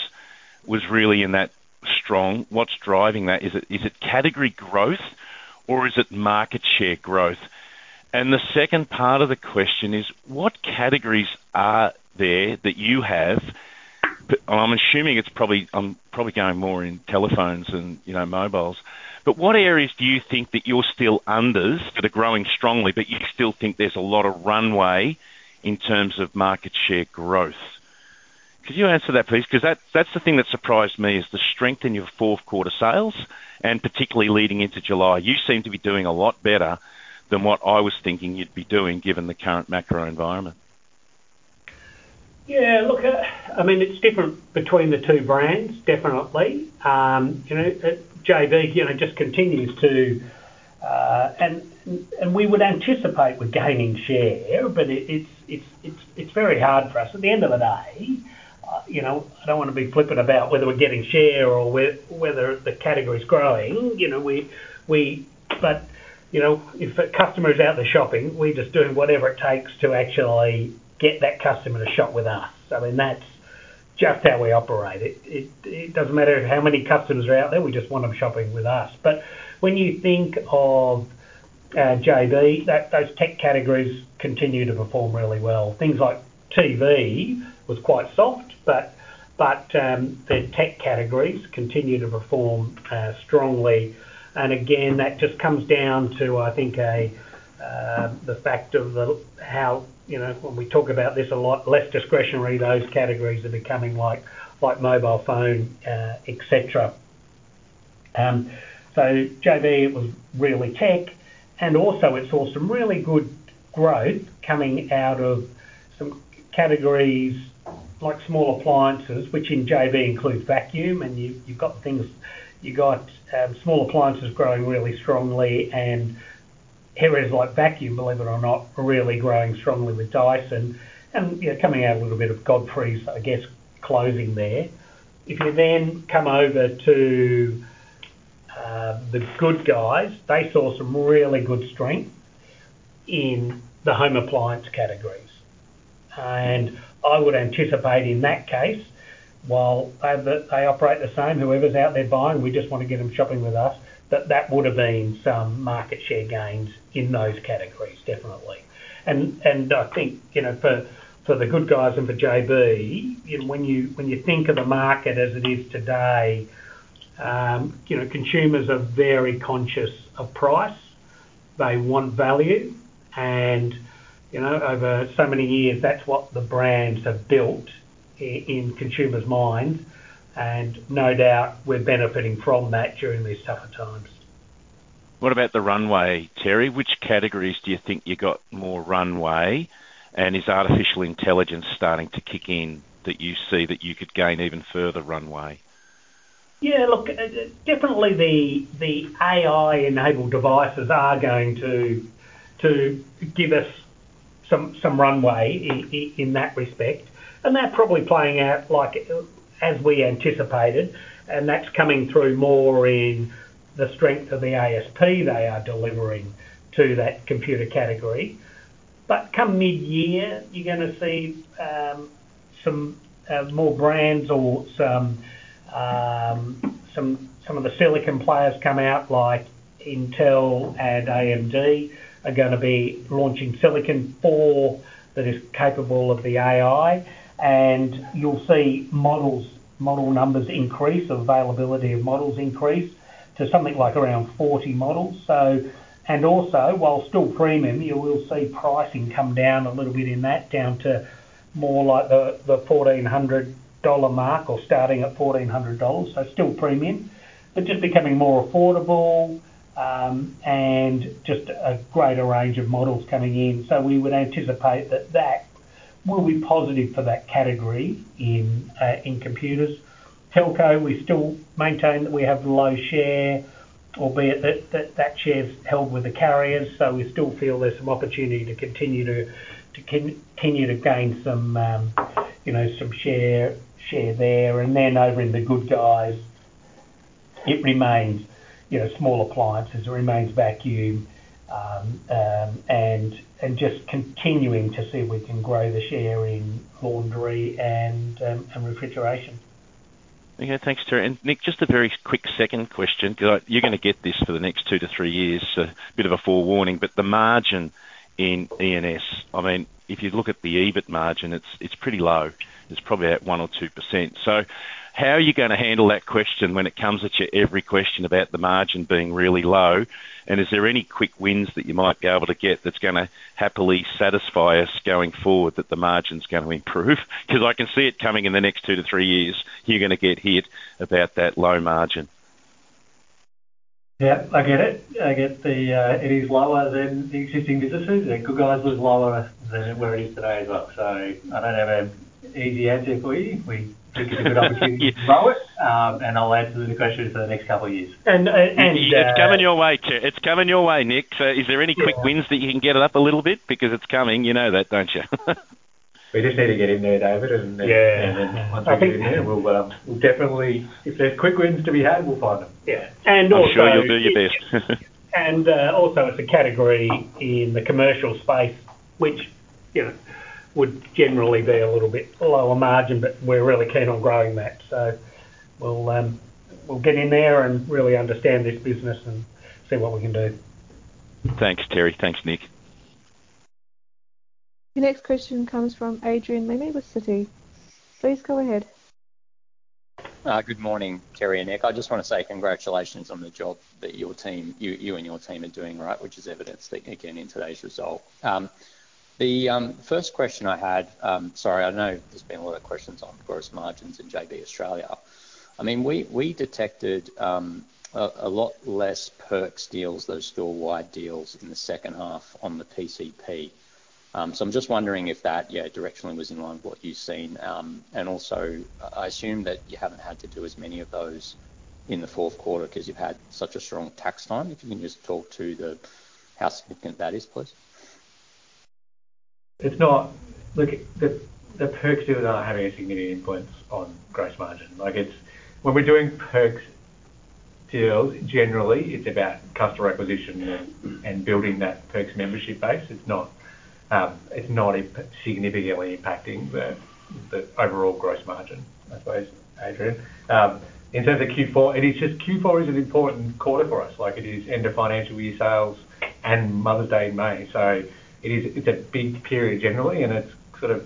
was really in that strong? What's driving that? Is it category growth or is it market share growth? And the second part of the question is: What categories are there that you have, but... I'm assuming it's probably, I'm probably going more in telephones and, you know, mobiles, but what areas do you think that you're still underserved that are growing strongly, but you still think there's a lot of runway in terms of market share growth? Could you answer that, please? 'Cause that, that's the thing that surprised me, is the strength in your Q4 sales, and particularly leading into July. You seem to be doing a lot better than what I was thinking you'd be doing, given the current macro environment. Yeah, look, I mean, it's different between the two brands, definitely. You know, JB, you know, just continues to, and we would anticipate we're gaining share, but it's very hard for us. At the end of the day, you know, I don't wanna be flippant about whether we're getting share or whether the category is growing, you know. But, you know, if a customer is out there shopping, we're just doing whatever it takes to actually get that customer to shop with us. I mean, that's just how we operate. It doesn't matter how many customers are out there, we just want them shopping with us. But when you think of JB, those tech categories continue to perform really well. Things like TV was quite soft, but the tech categories continue to perform strongly. And again, that just comes down to, I think, the fact of how, you know, when we talk about this, a lot less discretionary, those categories are becoming, like, like mobile phone, et cetera. So JB was really tech, and also we saw some really good growth coming out of some categories, like small appliances, which in JB includes vacuum, and you've got small appliances growing really strongly and areas like vacuum, believe it or not, really growing strongly with Dyson and, you know, coming out with a bit of Godfreys, I guess, closing there. If you then come over to the Good Guys, they saw some really good strength in the home appliance categories. I would anticipate in that case, while they operate the same, whoever's out there buying, we just want to get them shopping with us, that would've been some market share gains in those categories, definitely. And I think, you know, for the Good Guys and for JB, you know, when you think of the market as it is today, you know, consumers are very conscious of price. They want value, and, you know, over so many years, that's what the brands have built in consumers' minds, and no doubt we're benefiting from that during these tougher times. What about the runway, Terry? Which categories do you think you got more runway? And is artificial intelligence starting to kick in, that you see that you could gain even further runway?... Yeah, look, definitely the AI-enabled devices are going to give us some runway in that respect, and they're probably playing out like as we anticipated, and that's coming through more in the strength of the ASP they are delivering to that computer category. But come mid-year, you're gonna see some more brands or some of the silicon players come out, like Intel and AMD, are gonna be launching silicon for that is capable of the AI, and you'll see models, model numbers increase, availability of models increase, to something like around 40 models. So, and also, while still premium, you will see pricing come down a little bit in that, down to more like the fourteen hundred dollar mark or starting at 1,400 dollars, so still premium, but just becoming more affordable, and just a greater range of models coming in. So we would anticipate that that will be positive for that category in computers. Telco, we still maintain that we have low share, albeit that share's held with the carriers, so we still feel there's some opportunity to continue to continue to gain some, you know, some share there. And then over in The Good Guys, it remains, you know, smaller clients as it remains vacuum, and just continuing to see if we can grow the share in laundry and refrigeration. Okay, thanks, Terry. And Nick, just a very quick second question, 'cause I—you're gonna get this for the next 2-3 years, so a bit of a forewarning, but the margin in E&S, I mean, if you look at the EBIT margin, it's pretty low. It's probably at 1% or 2%. So how are you gonna handle that question when it comes at you, every question about the margin being really low? And is there any quick wins that you might be able to get that's gonna happily satisfy us going forward that the margin's gonna improve? 'Cause I can see it coming in the next 2-3 years, you're gonna get hit about that low margin. Yeah, I get it. I get the, it is lower than the existing businesses, and Good Guys was lower than where it is today as well. So I don't have an easy answer for you. We think it's a good opportunity to grow it, and I'll answer the question for the next couple of years. And, and, and, uh- It's coming your way, It's coming your way, Nick. So is there any quick wins that you can get it up a little bit? Because it's coming, you know that, don't you? We just need to get in there, David, and then- Yeah. Once we get in there, we'll definitely, if there's quick wins to be had, we'll find them. Yeah. I'm sure you'll do your best. Also, it's a category in the commercial space, which, you know, would generally be a little bit lower margin, but we're really keen on growing that. So we'll get in there and really understand this business and see what we can do. Thanks, Terry. Thanks, Nick. The next question comes from Adrian Lemme with Citi. Please go ahead. Good morning, Terry and Nick. I just want to say congratulations on the job that your team, you and your team are doing, right, which is evidenced again in today's result. The first question I had, sorry, I know there's been a lot of questions on gross margins in JB Hi-Fi Australia. I mean, we detected a lot less perks deals, those store-wide deals in the H2 on the PCP. So I'm just wondering if that, yeah, directionally was in line with what you've seen, and also, I assume that you haven't had to do as many of those in the Q4 'cause you've had such a strong Tax Time. If you can just talk to how significant that is, please. It's not. Look, the perks deals are having a significant influence on gross margin. Like, it's. When we're doing perks deals, generally, it's about customer acquisition and building that perks membership base. It's not significantly impacting the overall gross margin, I suppose, Adrian. In terms of Q4, it is just Q4 is an important quarter for us, like, it is end of financial year sales and Mother's Day in May. So it is, it's a big period generally, and it's sort of,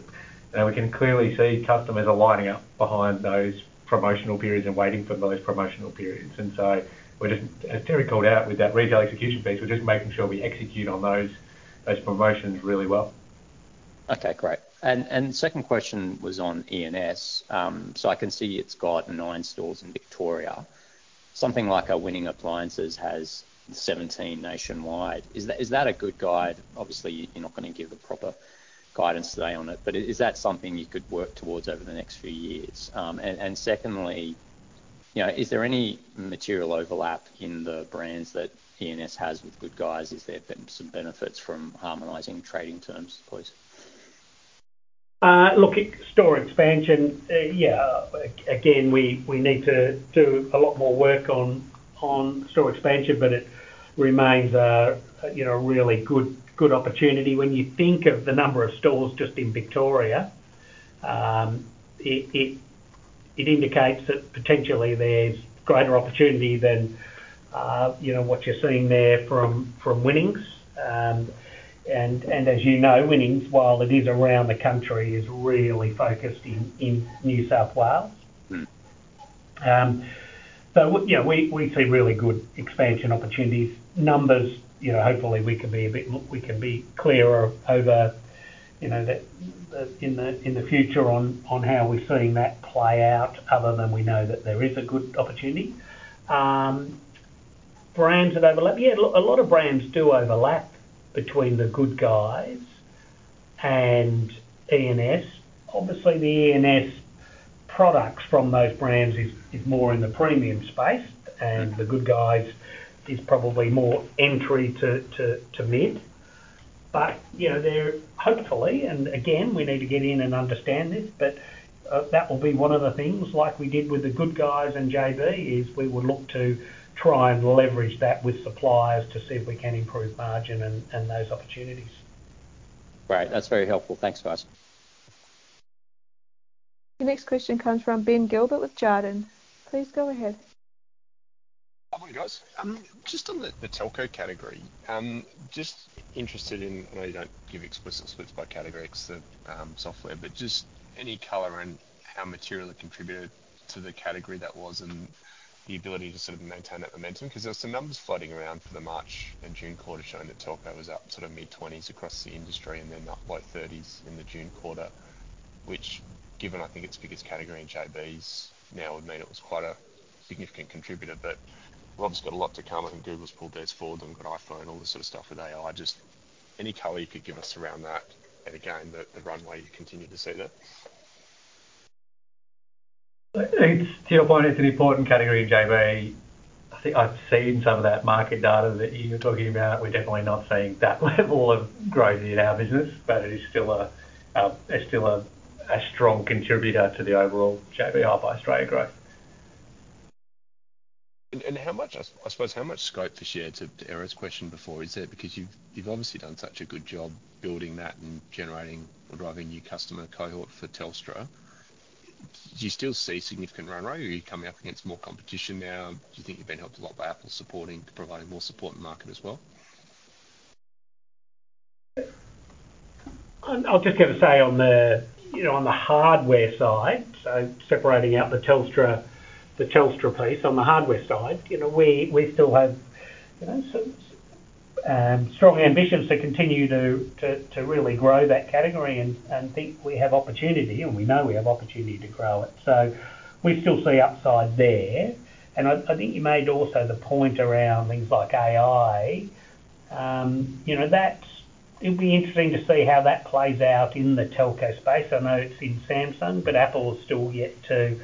you know, we can clearly see customers are lining up behind those promotional periods and waiting for those promotional periods. And so we're just, as Terry called out with that retail execution piece, we're just making sure we execute on those promotions really well. Okay, great. And second question was on E&S. So I can see it's got nine stores in Victoria. Something like a Winning Appliances has 17 nationwide. Is that a good guide? Obviously, you're not going to give the proper guidance today on it, but is that something you could work towards over the next few years? And secondly, you know, is there any material overlap in the brands that E&S has with Good Guys? Is there then some benefits from harmonizing trading terms, please? Look, store expansion, yeah, again, we need to do a lot more work on store expansion, but it remains a, you know, really good opportunity. When you think of the number of stores just in Victoria, it indicates that potentially there's greater opportunity than, you know, what you're seeing there from Winnings. And as you know, Winnings, while it is around the country, is really focused in New South Wales. Mm. So, yeah, we see really good expansion opportunities. Numbers, you know, hopefully, we can be a bit more, we can be clearer over, you know, the, in the, in the future on, on how we're seeing that play out other than we know that there is a good opportunity. Brands that overlap? Yeah, a lot, a lot of brands do overlap between The Good Guys and E&S. Obviously, the E&S products from those brands is more in the premium space, and The Good Guys is probably more entry to mid. But, you know, they're hopefully, and again, we need to get in and understand this, but, that will be one of the things, like we did with The Good Guys and JB, is we would look to try and leverage that with suppliers to see if we can improve margin and, and those opportunities. Great. That's very helpful. Thanks, guys. Your next question comes from Ben Gilbert with Jarden. Please go ahead. Hi, guys. Just on the Telco category, just interested in, I know you don't give explicit splits by category because the software, but just any color on how material it contributed to the category that was, and the ability to sort of maintain that momentum. 'Cause there's some numbers floating around for the March and June quarter, showing that Telco was up sort of mid-20s across the industry, and then up, like, 30s in the June quarter, which given, I think, its biggest category in JB's now would mean it was quite a significant contributor. But Rob's got a lot to come, and Google's pulled theirs forward and got iPhone, all this sort of stuff with AI. Just any color you could give us around that, and again, the runway, you continue to see that? I think to your point, it's an important category of JB. I think I've seen some of that market data that you're talking about. We're definitely not seeing that level of growth in our business, but it is still a strong contributor to the overall JB Hi-Fi Australia growth. How much, I suppose, how much scope this year to Eric's question before, is there? Because you've obviously done such a good job building that and generating or driving new customer cohort for Telstra. Do you still see significant runway, or are you coming up against more competition now? Do you think you've been helped a lot by Apple supporting, providing more support in the market as well? I'll just have a say on the, you know, on the hardware side. So separating out the Telstra, the Telstra piece, on the hardware side, you know, we still have, you know, some strong ambitions to continue to really grow that category and think we have opportunity, and we know we have opportunity to grow it. So we still see upside there. And I think you made also the point around things like AI. You know, that's- it'll be interesting to see how that plays out in the Telco space. I know it's in Samsung, but Apple is still yet to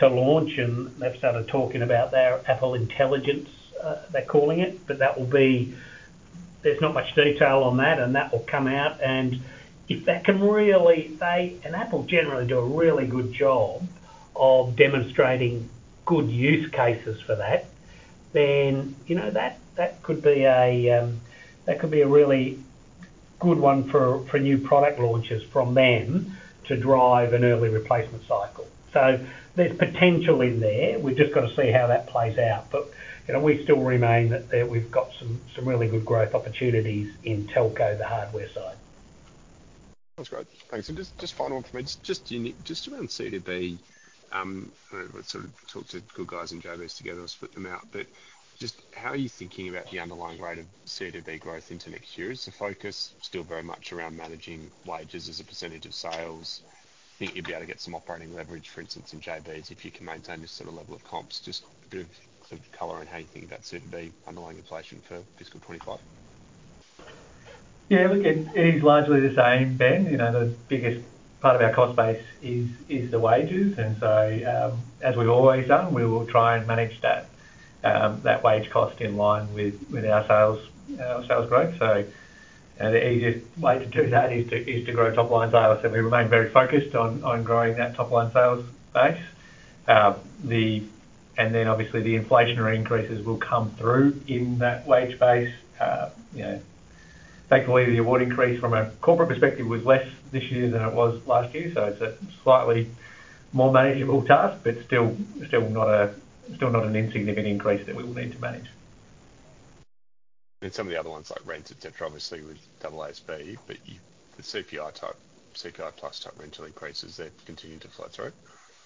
launch, and they've started talking about their Apple Intelligence, they're calling it, but that will be... There's not much detail on that, and that will come out, and if that can really, and Apple generally do a really good job of demonstrating good use cases for that, then, you know, that, that could be a, that could be a really good one for, for new product launches from them to drive an early replacement cycle. So there's potential in there. We've just got to see how that plays out. But, you know, we still remain that, that we've got some, some really good growth opportunities in Telco, the hardware side. That's great. Thanks. Just final one from me. Just one quick around CODB, sort of talk to Good Guys and JB's together, split them out. But just how are you thinking about the underlying rate of CODB growth into next year? Is the focus still very much around managing wages as a percentage of sales? Think you'd be able to get some operating leverage, for instance, in JB's, if you can maintain this sort of level of comps. Just give some color on how you think about CODB underlying inflation for fiscal 25. Yeah, look, it is largely the same, Ben. You know, the biggest part of our cost base is the wages, and so, as we've always done, we will try and manage that wage cost in line with our sales, our sales growth. So the easiest way to do that is to grow top-line sales, and we remain very focused on growing that top-line sales base. And then obviously, the inflationary increases will come through in that wage base. You know, thankfully, the award increase from a corporate perspective was less this year than it was last year, so it's a slightly more manageable task, but still not an insignificant increase that we will need to manage. Some of the other ones, like rent, et cetera, obviously, with double ASP, but the CPI type, CPI plus type rental increases, they continue to flow through?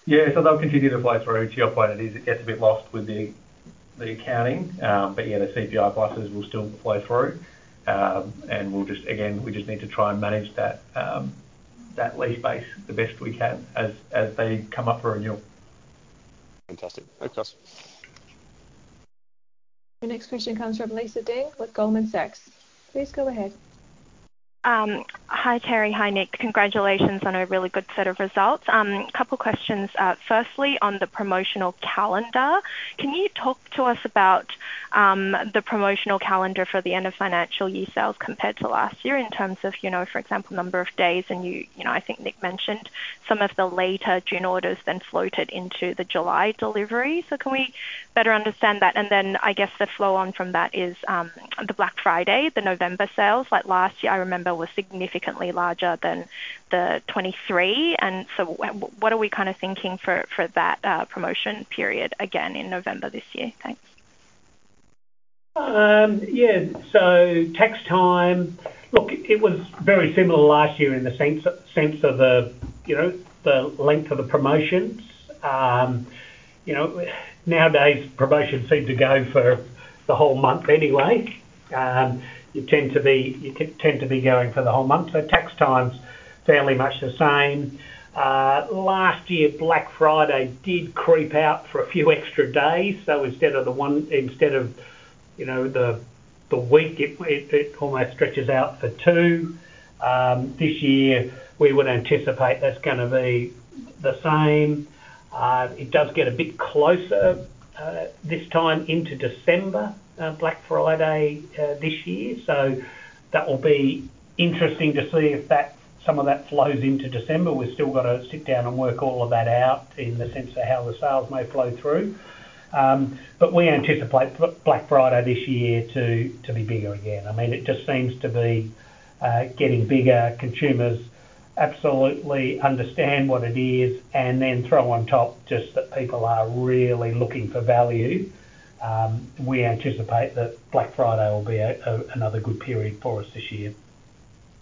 Yeah, so they'll continue to flow through. To your point, it is, it gets a bit lost with the accounting, but yeah, the CPI pluses will still flow through. And we'll just, again, we just need to try and manage that lease base the best we can as they come up for renewal. Fantastic. Thanks, guys. Your next question comes from Lisa Deng with Goldman Sachs. Please go ahead. Hi, Terry. Hi, Nick. Congratulations on a really good set of results. A couple questions. Firstly, on the promotional calendar, can you talk to us about the promotional calendar for the end of financial year sales compared to last year in terms of, you know, for example, number of days, and you know, I think Nick mentioned some of the later June orders then floated into the July delivery. So can we better understand that? And then, I guess, the flow on from that is the Black Friday, the November sales, like last year, I remember, was significantly larger than the 2023. And so what are we kind of thinking for that promotion period again in November this year? Thanks. Yeah, so tax time, look, it was very similar to last year in the sense of the, you know, the length of the promotions. You know, nowadays, promotions seem to go for the whole month anyway. You tend to be going for the whole month. So tax time's fairly much the same. Last year, Black Friday did creep out for a few extra days, so instead of the one, you know, the week, it almost stretches out for two. This year, we would anticipate that's gonna be the same. It does get a bit closer, this time into December, Black Friday, this year. So that will be interesting to see if that, some of that flows into December. We've still got to sit down and work all of that out in the sense of how the sales may flow through. But we anticipate Black Friday this year to be bigger again. I mean, it just seems to be getting bigger. Consumers absolutely understand what it is, and then throw on top just that people are really looking for value. We anticipate that Black Friday will be another good period for us this year.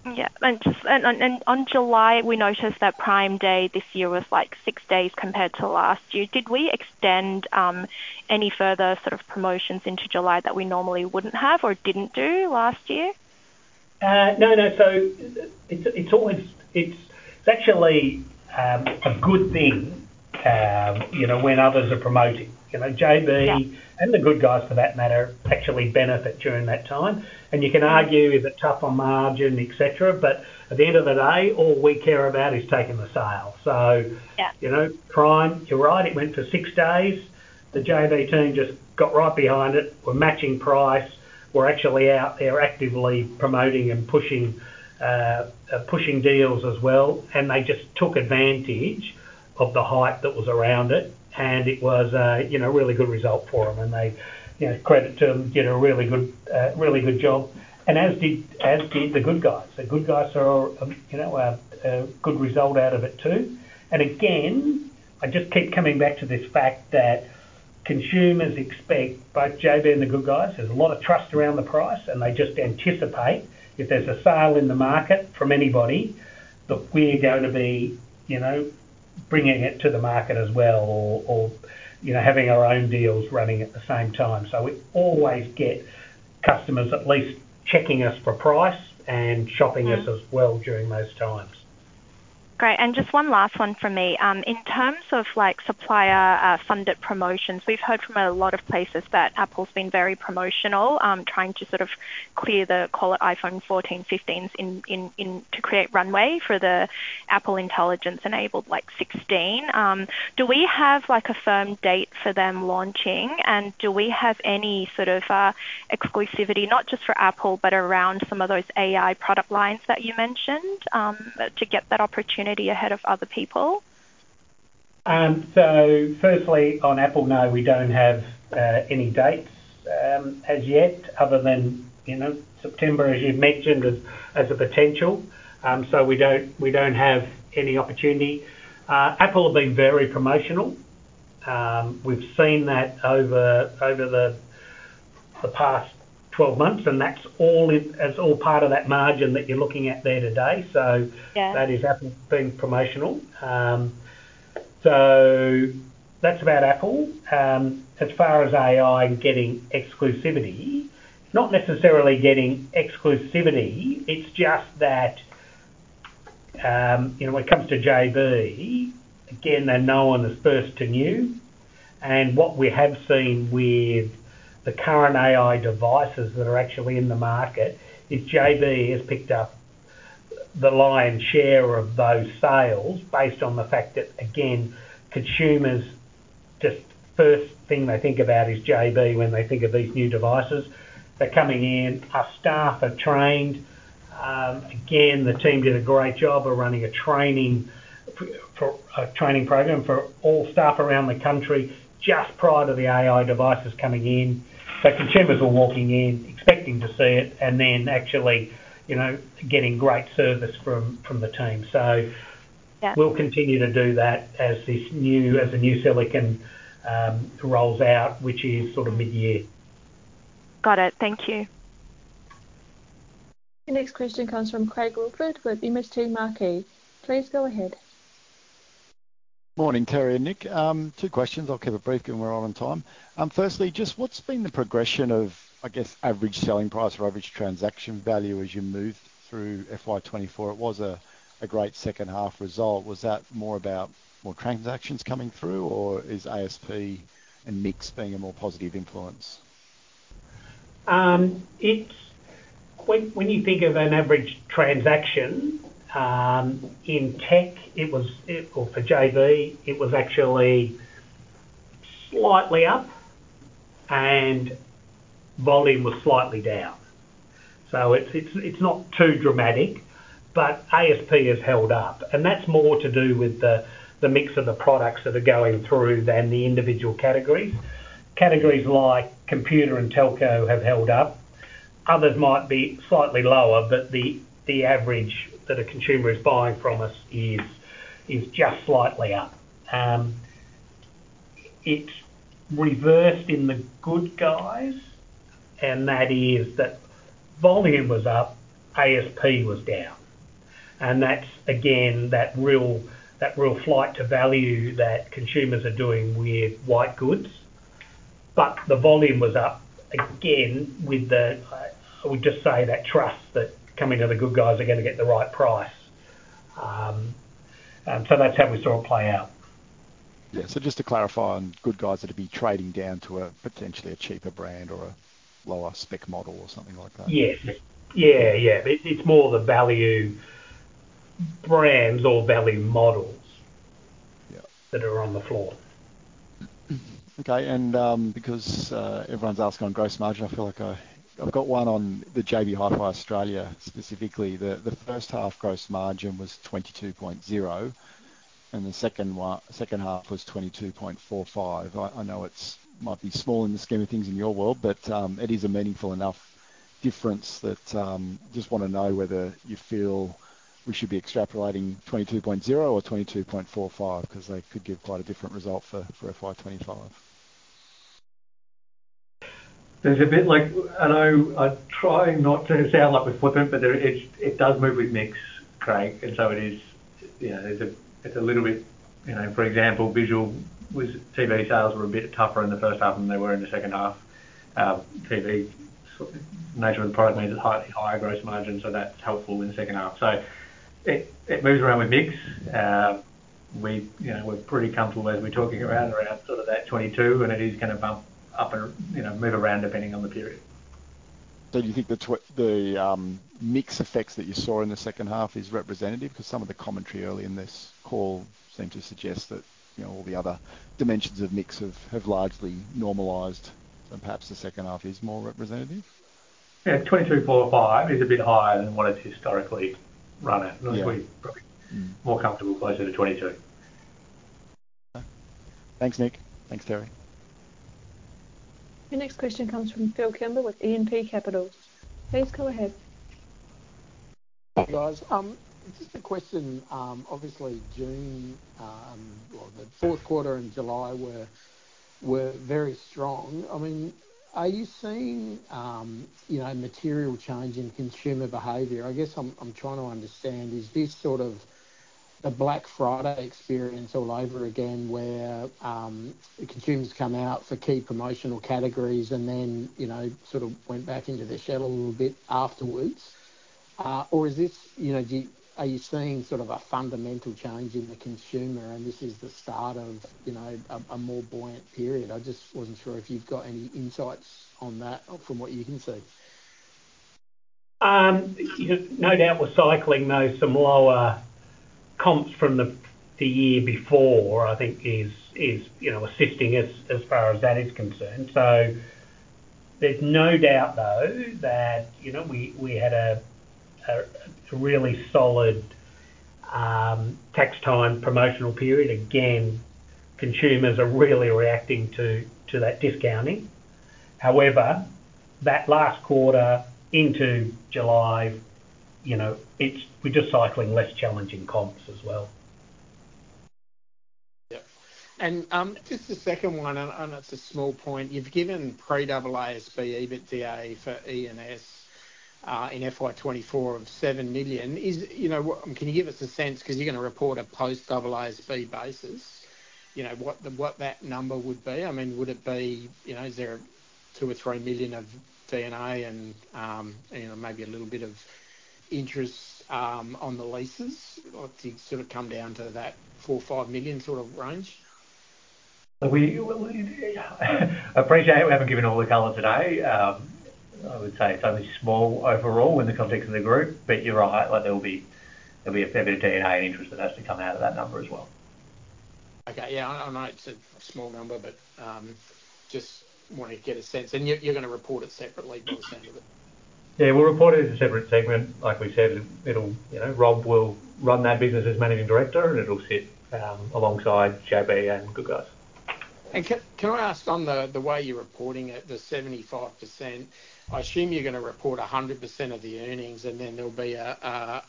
Yeah. And just on July, we noticed that Prime Day this year was, like, six days compared to last year. Did we extend any further sort of promotions into July that we normally wouldn't have or didn't do last year? No, no. So it's always, it's actually a good thing, you know, when others are promoting. You know, JB- Yeah ... and The Good Guys, for that matter, actually benefit during that time. And you can argue, is it tough on margin, et cetera, but at the end of the day, all we care about is taking the sale. So- Yeah... you know, Prime, you're right, it went for six days. The JB team just got right behind it. We're matching price. We're actually out there actively promoting and pushing deals as well, and they just took advantage of the hype that was around it, and it was a, you know, really good result for them, and they, you know, credit to them, did a really good job, and as did The Good Guys. The Good Guys are, you know, a good result out of it, too. And again, I just keep coming back to this fact that consumers expect both JB and The Good Guys. There's a lot of trust around the price, and they just anticipate if there's a sale in the market from anybody, that we're going to be, you know, bringing it to the market as well or, or, you know, having our own deals running at the same time. So we always get customers at least checking us for price and shopping- Yeah... us as well during those times. Great, and just one last one from me. In terms of, like, supplier funded promotions, we've heard from a lot of places that Apple's been very promotional, trying to sort of clear the, call it, iPhone 14, 15s in to create runway for the Apple Intelligence-enabled, like, 16. Do we have, like, a firm date for them launching? And do we have any sort of exclusivity, not just for Apple, but around some of those AI product lines that you mentioned, to get that opportunity ahead of other people? So firstly, on Apple, no, we don't have any dates as yet, other than, you know, September, as you mentioned, as a potential. So we don't have any opportunity. Apple have been very promotional. We've seen that over the past 12 months, and that's all part of that margin that you're looking at there today. So- Yeah... that is Apple being promotional. So that's about Apple. As far as AI getting exclusivity, not necessarily getting exclusivity, it's just that, you know, when it comes to JB, again, they're known as first to new. And what we have seen with the current AI devices that are actually in the market, is JB has picked up the lion's share of those sales based on the fact that, again, consumers just first thing they think about is JB when they think of these new devices. They're coming in, our staff are trained. Again, the team did a great job of running a training program for all staff around the country just prior to the AI devices coming in. So consumers were walking in expecting to see it and then actually, you know, getting great service from the team. So- Yeah... we'll continue to do that as this new, as the new silicon, rolls out, which is sort of mid-year. Got it. Thank you. The next question comes from Craig Woolford with MST Marquee. Please go ahead. Morning, Terry and Nick. Two questions. I'll keep it brief, given we're on time. Firstly, just what's been the progression of, I guess, average selling price or average transaction value as you moved through FY24? It was a great H2 result. Was that more about more transactions coming through, or is ASP and mix being a more positive influence? When you think of an average transaction in tech, or for JB, it was actually slightly up, and volume was slightly down. So it's not too dramatic, but ASP has held up, and that's more to do with the mix of the products that are going through than the individual categories. Categories like computer and Telco have held up. Others might be slightly lower, but the average that a consumer is buying from us is just slightly up. It's reversed in The Good Guys, and that is that volume was up, ASP was down. And that's, again, that real flight to value that consumers are doing with white goods. But the volume was up, again, with I would just say, that trust, that coming to The Good Guys are gonna get the right price. That's how we saw it play out. Yeah. So just to clarify on Good Guys, that'd be trading down to a potentially cheaper brand or a lower spec model or something like that? Yes. Yeah, yeah. It's, it's more the value brands or value models- Yeah - that are on the floor. Okay, and because everyone's asking on gross margin, I feel like I've got one on the JB Hi-Fi Australia, specifically. The H1 gross margin was 22.0, and the H2 was 22.45. I know it's might be small in the scheme of things in your world, but it is a meaningful enough difference that just want to know whether you feel we should be extrapolating 22.0 or 22.45, because they could give quite a different result for FY 2025. There's a bit like I know I try not to sound like we flip it, but there, it, it does move with mix, Craig, and so it is, you know, it's a, it's a little bit. You know, for example, [inaudible] TV sales were a bit tougher in the H1 than they were in the H2. TV sort of nature of the product means it's higher gross margin, so that's helpful in the H2. So it, it moves around with mix. We, you know, we're pretty comfortable as we're talking around, around sort of that 22, and it is going to bump up and, you know, move around depending on the period. So do you think the mix effects that you saw in the H2 is representative? Because some of the commentary early in this call seemed to suggest that, you know, all the other dimensions of mix have, have largely normalized, and perhaps the H2 is more representative. Yeah, 22.45 is a bit higher than what it's historically run at. Yeah. We're probably more comfortable closer to 22. Thanks, Nick. Thanks, Terry. Your next question comes from Phil Kimber with E&P Financial Group. Please go ahead. Guys, just a question. Obviously, June, or the Q4 in July were very strong. I mean, are you seeing, you know, material change in consumer behavior? I guess I'm trying to understand, is this sort of the Black Friday experience all over again, where, consumers come out for key promotional categories and then, you know, sort of went back into their shell a little bit afterwards? Or is this, you know, do you are you seeing sort of a fundamental change in the consumer, and this is the start of, you know, a more buoyant period? I just wasn't sure if you've got any insights on that from what you can see. You know, no doubt we're cycling, though some lower comps from the year before, I think is you know, assisting us as far as that is concerned. So there's no doubt, though, that you know, we had a really solid Tax Time promotional period. Again, consumers are really reacting to that discounting. However, that last quarter into July, you know, we're just cycling less challenging comps as well. Yeah. And just the second one, and it's a small point. You've given pre-AASB EBITDA for E&S in FY 2024 of 7 million. Is, you know, what, can you give us a sense, because you're going to report a post-AASB basis, you know, what that number would be? I mean, would it be, you know, is there 2 million or 3 million of D&A and, you know, maybe a little bit of interest on the leases? Or do you sort of come down to that 4 million -5 million sort of range? We appreciate we haven't given all the color today. I would say it's only small overall in the context of the group, but you're right, like there'll be a fair bit of D&A and interest that has to come out of that number as well. Okay, yeah, I know it's a small number, but just wanted to get a sense. You, you're going to report it separately for the sake of it? Yeah, we'll report it as a separate segment. Like we said, it'll, you know, Rob will run that business as Managing Director, and it'll sit alongside JB and Good Guys. Can I ask on the way you're reporting it, the 75%, I assume you're going to report 100% of the earnings, and then there'll be a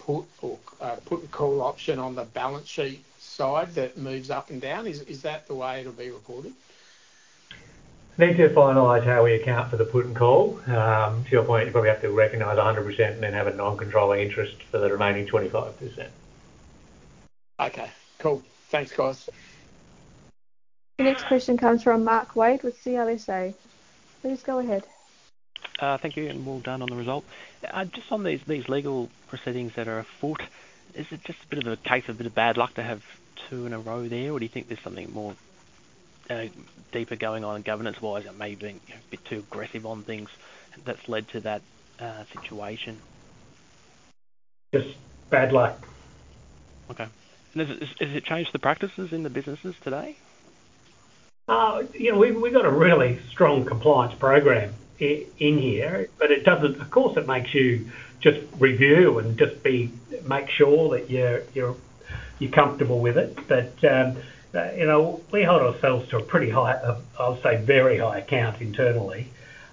put or a put and call option on the balance sheet side that moves up and down. Is that the way it'll be reported? Need to finalize how we account for the put and call. To your point, you probably have to recognize 100% and then have a non-controlling interest for the remaining 25%. Okay, cool. Thanks, guys. The next question comes from Mark Wade with CLSA. Please go ahead. Thank you, and well done on the result. Just on these, these legal proceedings that are afoot, is it just a bit of a case of a bit of bad luck to have two in a row there, or do you think there's something more, deeper going on governance-wise, or maybe being a bit too aggressive on things that's led to that, situation? Just bad luck. Okay. Has it changed the practices in the businesses today? You know, we've got a really strong compliance program in here, but it doesn't—of course, it makes you just review and just make sure that you're comfortable with it. But, you know, we hold ourselves to a pretty high, I'll say, very high account internally.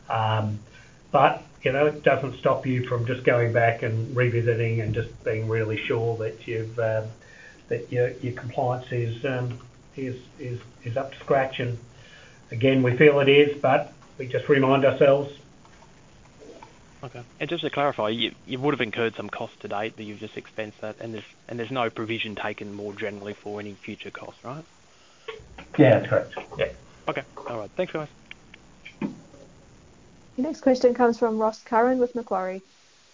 But, you know, it doesn't stop you from just going back and revisiting and just being really sure that you've that your compliance is up to scratch. And again, we feel it is, but we just remind ourselves. Okay. And just to clarify, you would have incurred some costs to date, that you've just expensed that, and there's no provision taken more generally for any future costs, right? Yeah, that's correct. Yeah. Okay. All right. Thanks, guys.... The next question comes from Ross Curran with Macquarie.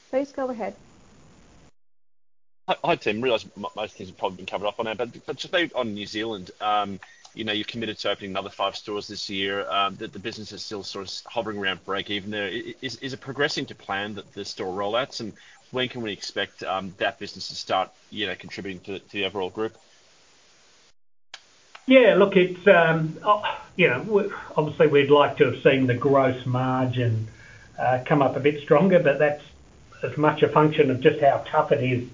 Please go ahead. Hi, Tim. I realize most things have probably been covered off on that, but just maybe on New Zealand, you know, you've committed to opening another 5 stores this year, that the business is still sort of hovering around break-even there. Is it progressing to plan the store rollouts? When can we expect that business to start, you know, contributing to the overall group? Yeah, look, it's, you know, obviously, we'd like to have seen the gross margin come up a bit stronger, but that's as much a function of just how tough it is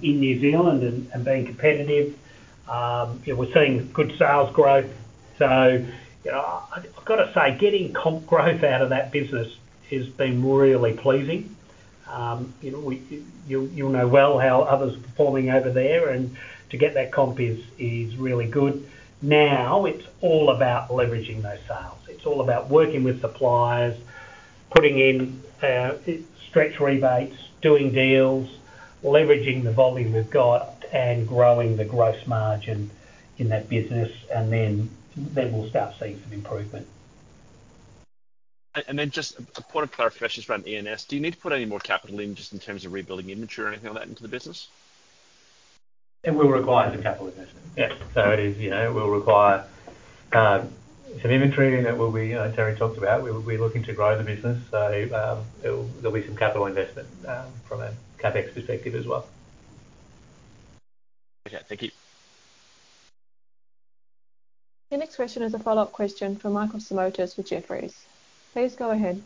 in New Zealand and being competitive. Yeah, we're seeing good sales growth. So, you know, I've got to say, getting comp growth out of that business has been really pleasing. You know, you'll know well how others are performing over there, and to get that comp is really good. Now, it's all about leveraging those sales. It's all about working with suppliers, putting in stretch rebates, doing deals, leveraging the volume we've got, and growing the gross margin in that business, and then we'll start seeing some improvement. And then just a point of clarification around E&S. Do you need to put any more capital in just in terms of rebuilding inventory or anything like that into the business? It will require some capital investment. Yes. So it is, you know, it will require some inventory that will be, you know, Terry talked about, we're looking to grow the business. So, there'll be some capital investment from a CapEx perspective as well. Okay, thank you. The next question is a follow-up question from Michael Simotas with Jefferies. Please go ahead.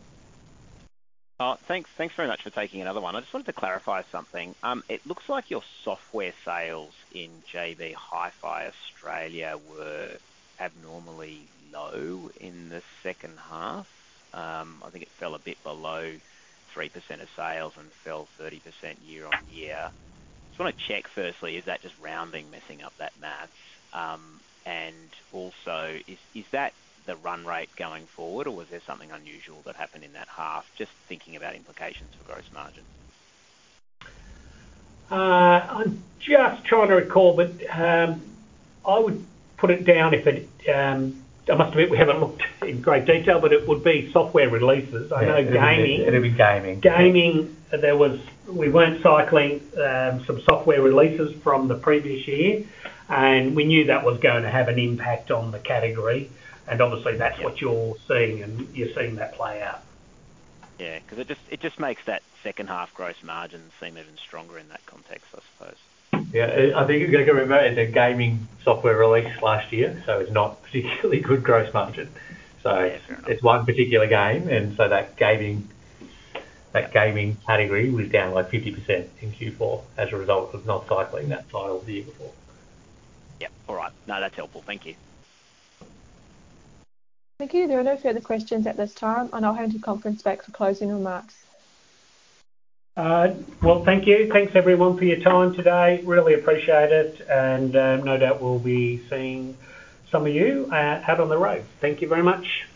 Thanks, thanks very much for taking another one. I just wanted to clarify something. It looks like your software sales in JB Hi-Fi Australia were abnormally low in the H2. I think it fell a bit below 3% of sales and fell 30% year-on-year. Just want to check, firstly, is that just rounding, messing up that math? And also, is that the run rate going forward, or was there something unusual that happened in that half? Just thinking about implications for gross margin. I'm just trying to recall, but, I would put it down if it... I must admit, we haven't looked in great detail, but it would be software releases. I know gaming- It'd be gaming. Gaming, we weren't cycling some software releases from the previous year, and we knew that was going to have an impact on the category, and obviously, that's what you're seeing, and you're seeing that play out. Yeah, because it just, it just makes that H2 gross margin seem even stronger in that context, I suppose. Yeah, I think you've got to remember, the gaming software released last year, so it's not particularly good gross margin. So- Yeah. It's one particular game, and so that gaming, that gaming category was down by 50% in Q4 as a result of not cycling that title the year before. Yep. All right. No, that's helpful. Thank you. Thank you. There are no further questions at this time. I'll hand the conference back for closing remarks. Well, thank you. Thanks, everyone, for your time today. Really appreciate it, and no doubt we'll be seeing some of you out on the road. Thank you very much.